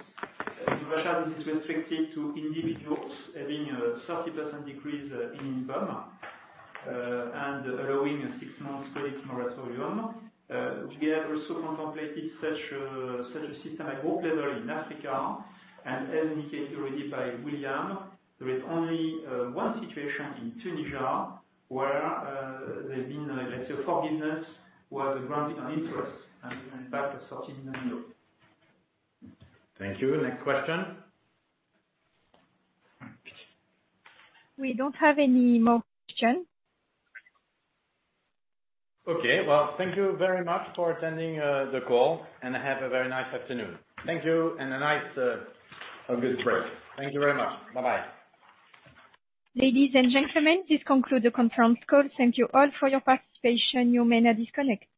In Russia, this is restricted to individuals having a 30% decrease in income, and allowing a six-month credit moratorium. We have also contemplated such a system at group level in Africa, and as indicated already by William, there is only one situation in Tunisia where there has been, let us say, forgiveness was granted on interest, and impact of EUR 30 million. Thank you. Next question. We don't have any more questions. Okay. Well, thank you very much for attending the call, and have a very nice afternoon. Thank you, and a nice, a good break. Thank you very much. Bye-bye. Ladies and gentlemen, this concludes the conference call. Thank you all for your participation. You may now disconnect.